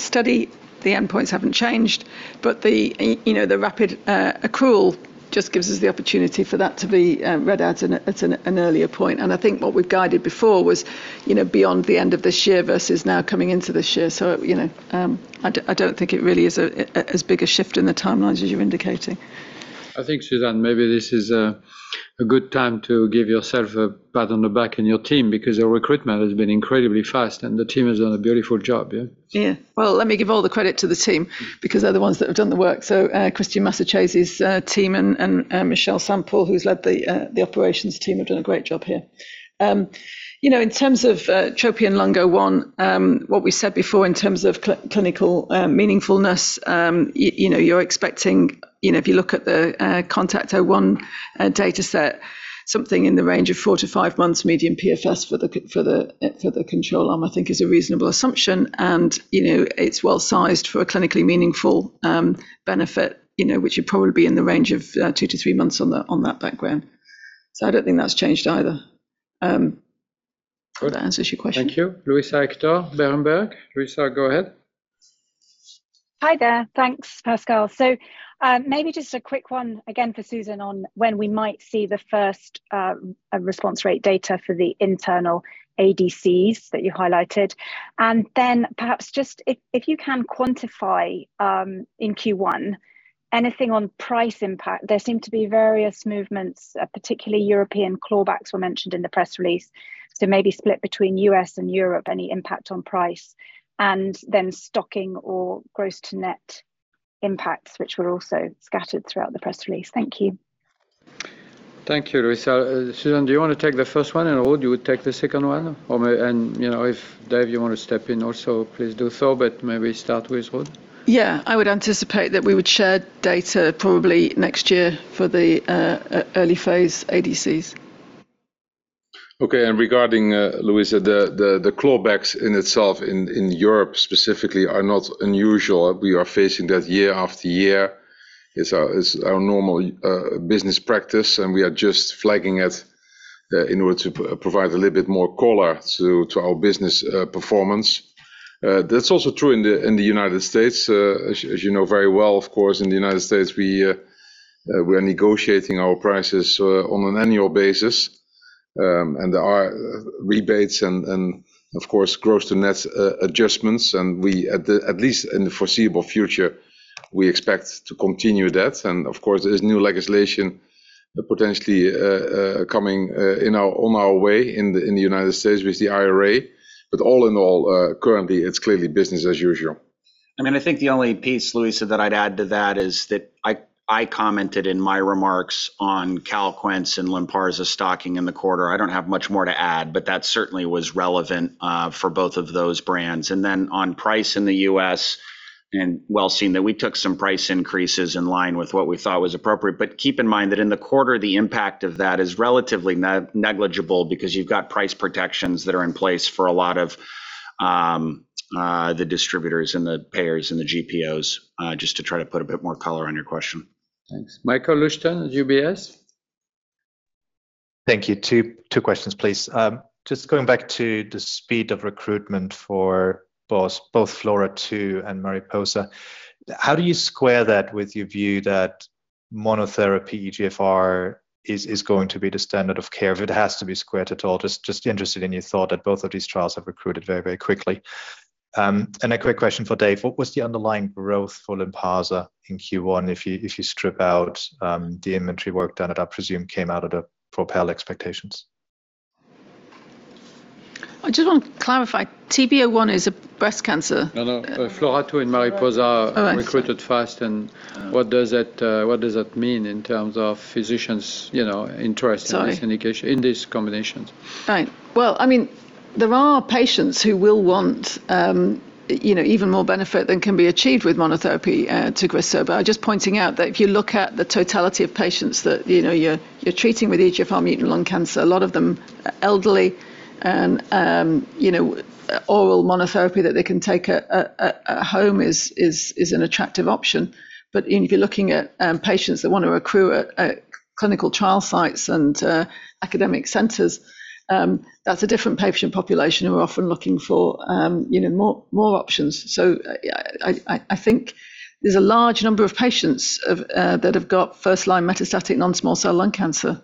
study. The endpoints haven't changed, but the, you know, the rapid accrual just gives us the opportunity for that to be read out at an earlier point. I think what we've guided before was, you know, beyond the end of this year versus now coming into this year. You know, I don't think it really is as big a shift in the timelines as you're indicating. I think, Susan, maybe this is a good time to give yourself a pat on the back and your team because your recruitment has been incredibly fast and the team has done a beautiful job, yeah? Well, let me give all the credit to the team because they're the ones that have done the work. Cristian Massacesi's team and Michele Sample, who's led the operations team, have done a great job here. You know, in terms of TROPION-Lung01, what we said before in terms of clinical meaningfulness, you know, you're expecting, you know, if you look at the CONTACT-01 data set, something in the range of four-five months median PFS for the control arm, I think is a reasonable assumption. You know, it's well-sized for a clinically meaningful benefit, you know, which would probably be in the range of two-three months on that background. I don't think that's changed either. If hope that answers your question. Thank you. Luisa Hector, Berenberg. Luisa, go ahead. Hi there. Thanks, Pascal. Maybe just a quick one again for Susan on when we might see the first response rate data for the internal ADCs that you highlighted. Perhaps just if you can quantify in Q1 anything on price impact? There seem to be various movements, particularly European clawbacks were mentioned in the press release. Maybe split between U.S. and Europe, any impact on price? Then stocking or gross-to-net impacts, which were also scattered throughout the press release. Thank you. Thank you, Luisa. Susan, do you wanna take the first one? Ruud, you would take the second one? You know, if, Dave, you wanna step in also, please do so, but maybe start with Ruud. I would anticipate that we would share data probably next year for the early phase ADCs. Okay, regarding Luisa, the clawbacks in itself in Europe specifically are not unusual. We are facing that year-after-year. It's our normal business practice, and we are just flagging it in order to provide a little bit more color to our business performance. That's also true in the United States. As you know very well, of course, in the United States we're negotiating our prices on an annual basis. There are rebates and of course gross-to-net adjustments, and we at least in the foreseeable future, we expect to continue that. Of course, there's new legislation potentially coming on our way in the United States with the IRA. All in all, currently it's clearly business as usual. I mean, I think the only piece, Luisa, that I'd add to that is that I commented in my remarks on Calquence and Lynparza stocking in the quarter. I don't have much more to add, but that certainly was relevant for both of those brands. Then on price in the U.S., and well seen that we took some price increases in line with what we thought was appropriate. Keep in mind that in the quarter, the impact of that is relatively negligible because you've got price protections that are in place for a lot of the distributors and the payers and the GPOs, just to try to put a bit more color on your question. Thanks. Michael Leuchten, UBS. Thank you. Two questions, please. Just going back to the speed of recruitment for both FLAURA2 and MARIPOSA, how do you square that with your view that monotherapy EGFR is going to be the standard of care, if it has to be squared at all? Just interested in your thought that both of these trials have recruited very, very quickly. A quick question for Dave. What was the underlying growth for Lynparza in Q1 if you strip out the inventory work done that I presume came out of the PROpel expectations? I just want to clarify, TB01 is a breast cancer. No, no. FLAURA2 and MARIPOSA recruited fast, what does that mean in terms of physicians', you know, interest in this indication— in these combinations? Well, I mean, there are patients who will want, you know, even more benefit than can be achieved with monotherapy, Tagrisso. I'm just pointing out that if you look at the totality of patients that, you know, you're treating with EGFR mutant lung cancer, a lot of them elderly and, you know, oral monotherapy that they can take at home is an attractive option. If you're looking at patients that wanna recruit at clinical trial sites and academic centers, that's a different patient population who are often looking for, you know, more options. I think there's a large number of patients that have got first-line metastatic non-small cell lung cancer.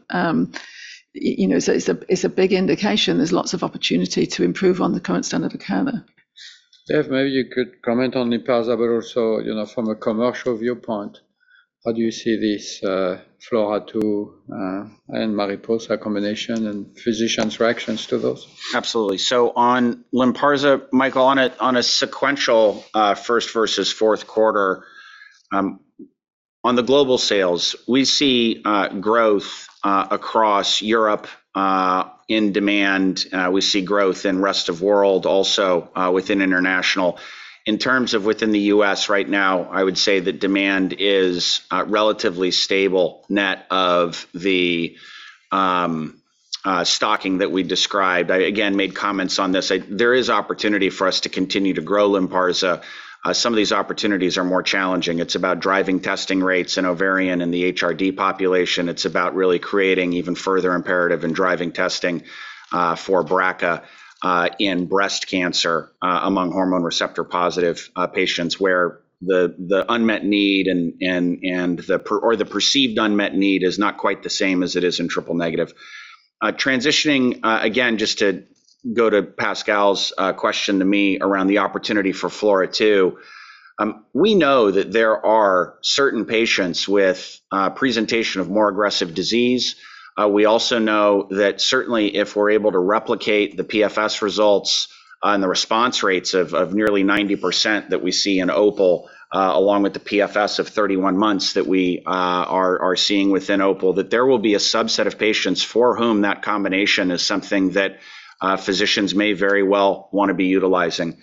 You know, it's a big indication there's lots of opportunity to improve on the current standard of care there. Dave, maybe you could comment on Lynparza, but also, you know, from a commercial viewpoint, how do you see this FLAURA2 and MARIPOSA combination and physicians' reactions to those? Absolutely. On Lynparza, Michael, on a sequential first versus fourth quarter, on the global sales, we see growth across Europe in demand. We see growth in rest of world also within international. In terms of within the U.S. right now, I would say that demand is relatively stable net of the stocking that we described. I again made comments on this. There is opportunity for us to continue to grow Lynparza. Some of these opportunities are more challenging. It's about driving testing rates in ovarian and the HRD population. It's about really creating even further imperative and driving testing for BRCA in breast cancer among hormone receptor positive patients, where the perceived unmet need is not quite the same as it is in triple-negative. Transitioning again, just to go to Pascal's question to me around the opportunity for FLAURA2, we know that there are certain patients with presentation of more aggressive disease. We also know that certainly if we're able to replicate the PFS results and the response rates of nearly 90% that we see in OPAL, along with the PFS of 31 months that we are seeing within OPAL, that there will be a subset of patients for whom that combination is something that physicians may very well wanna be utilizing.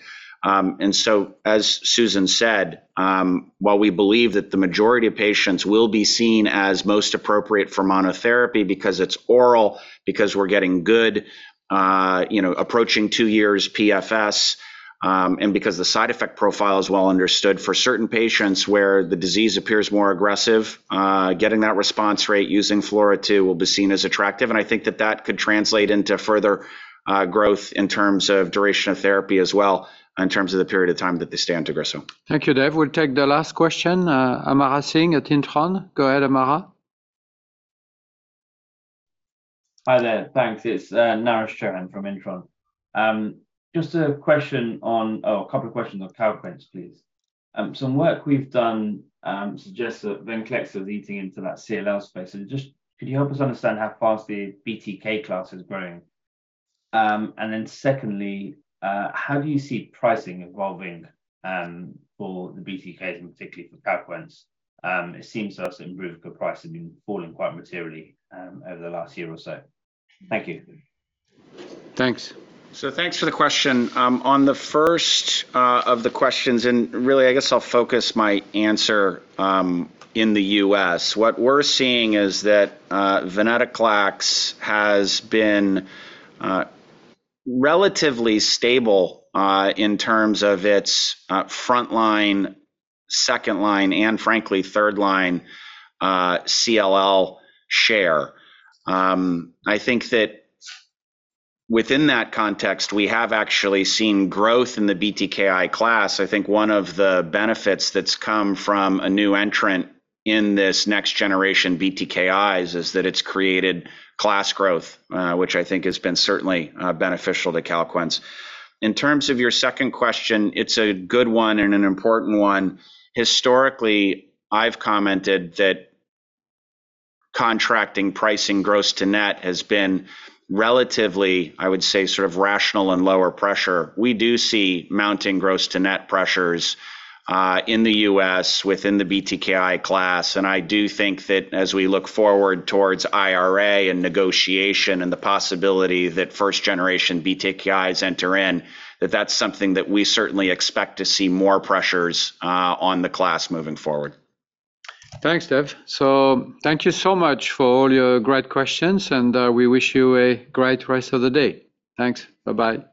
As Susan said, while we believe that the majority of patients will be seen as most appropriate for monotherapy because it's oral, because we're getting good, you know, approaching two years PFS, and because the side effect profile is well understood for certain patients where the disease appears more aggressive, getting that response rate using FLAURA2 will be seen as attractive. I think that that could translate into further growth in terms of duration of therapy as well, in terms of the period of time that they stay on Tagrisso. Thank you, Dave. We'll take the last question. Amara Singh at Intron. Go ahead, Amara. Hi there. Thanks. It's Naresh Chouhan from Intron. Just a question on a couple of questions on Calquence, please. Some work we've done suggests that VENCLEXTA is eating into that CLL space. Just could you help us understand how fast the BTK class is growing? Secondly, how do you see pricing evolving for the BTKs and particularly for Calquence? It seems to us that ibrutinib price has been falling quite materially over the last year or so. Thank you. Thanks. Thanks for the question. On the first of the questions, and really I guess I'll focus my answer in the U.S. What we're seeing is that venetoclax has been relatively stable in terms of its frontline, second-line and frankly third-line CLL share. I think that within that context, we have actually seen growth in the BTKI class. I think one of the benefits that's come from a new entrant in this next generation BTKIs is that it's created class growth, which I think has been certainly beneficial to Calquence. In terms of your second question, it's a good one and an important one. Historically, I've commented that contracting pricing gross-to-net has been relatively, I would say, sort of rational and lower pressure. We do see mounting gross-to-net pressures in the U.S. within the BTKI class. I do think that as we look forward towards IRA and negotiation and the possibility that first generation BTKIs enter in, that's something that we certainly expect to see more pressures on the class moving forward. Thanks, Dave. Thank you so much for all your great questions, and we wish you a great rest of the day. Thanks. Bye-bye.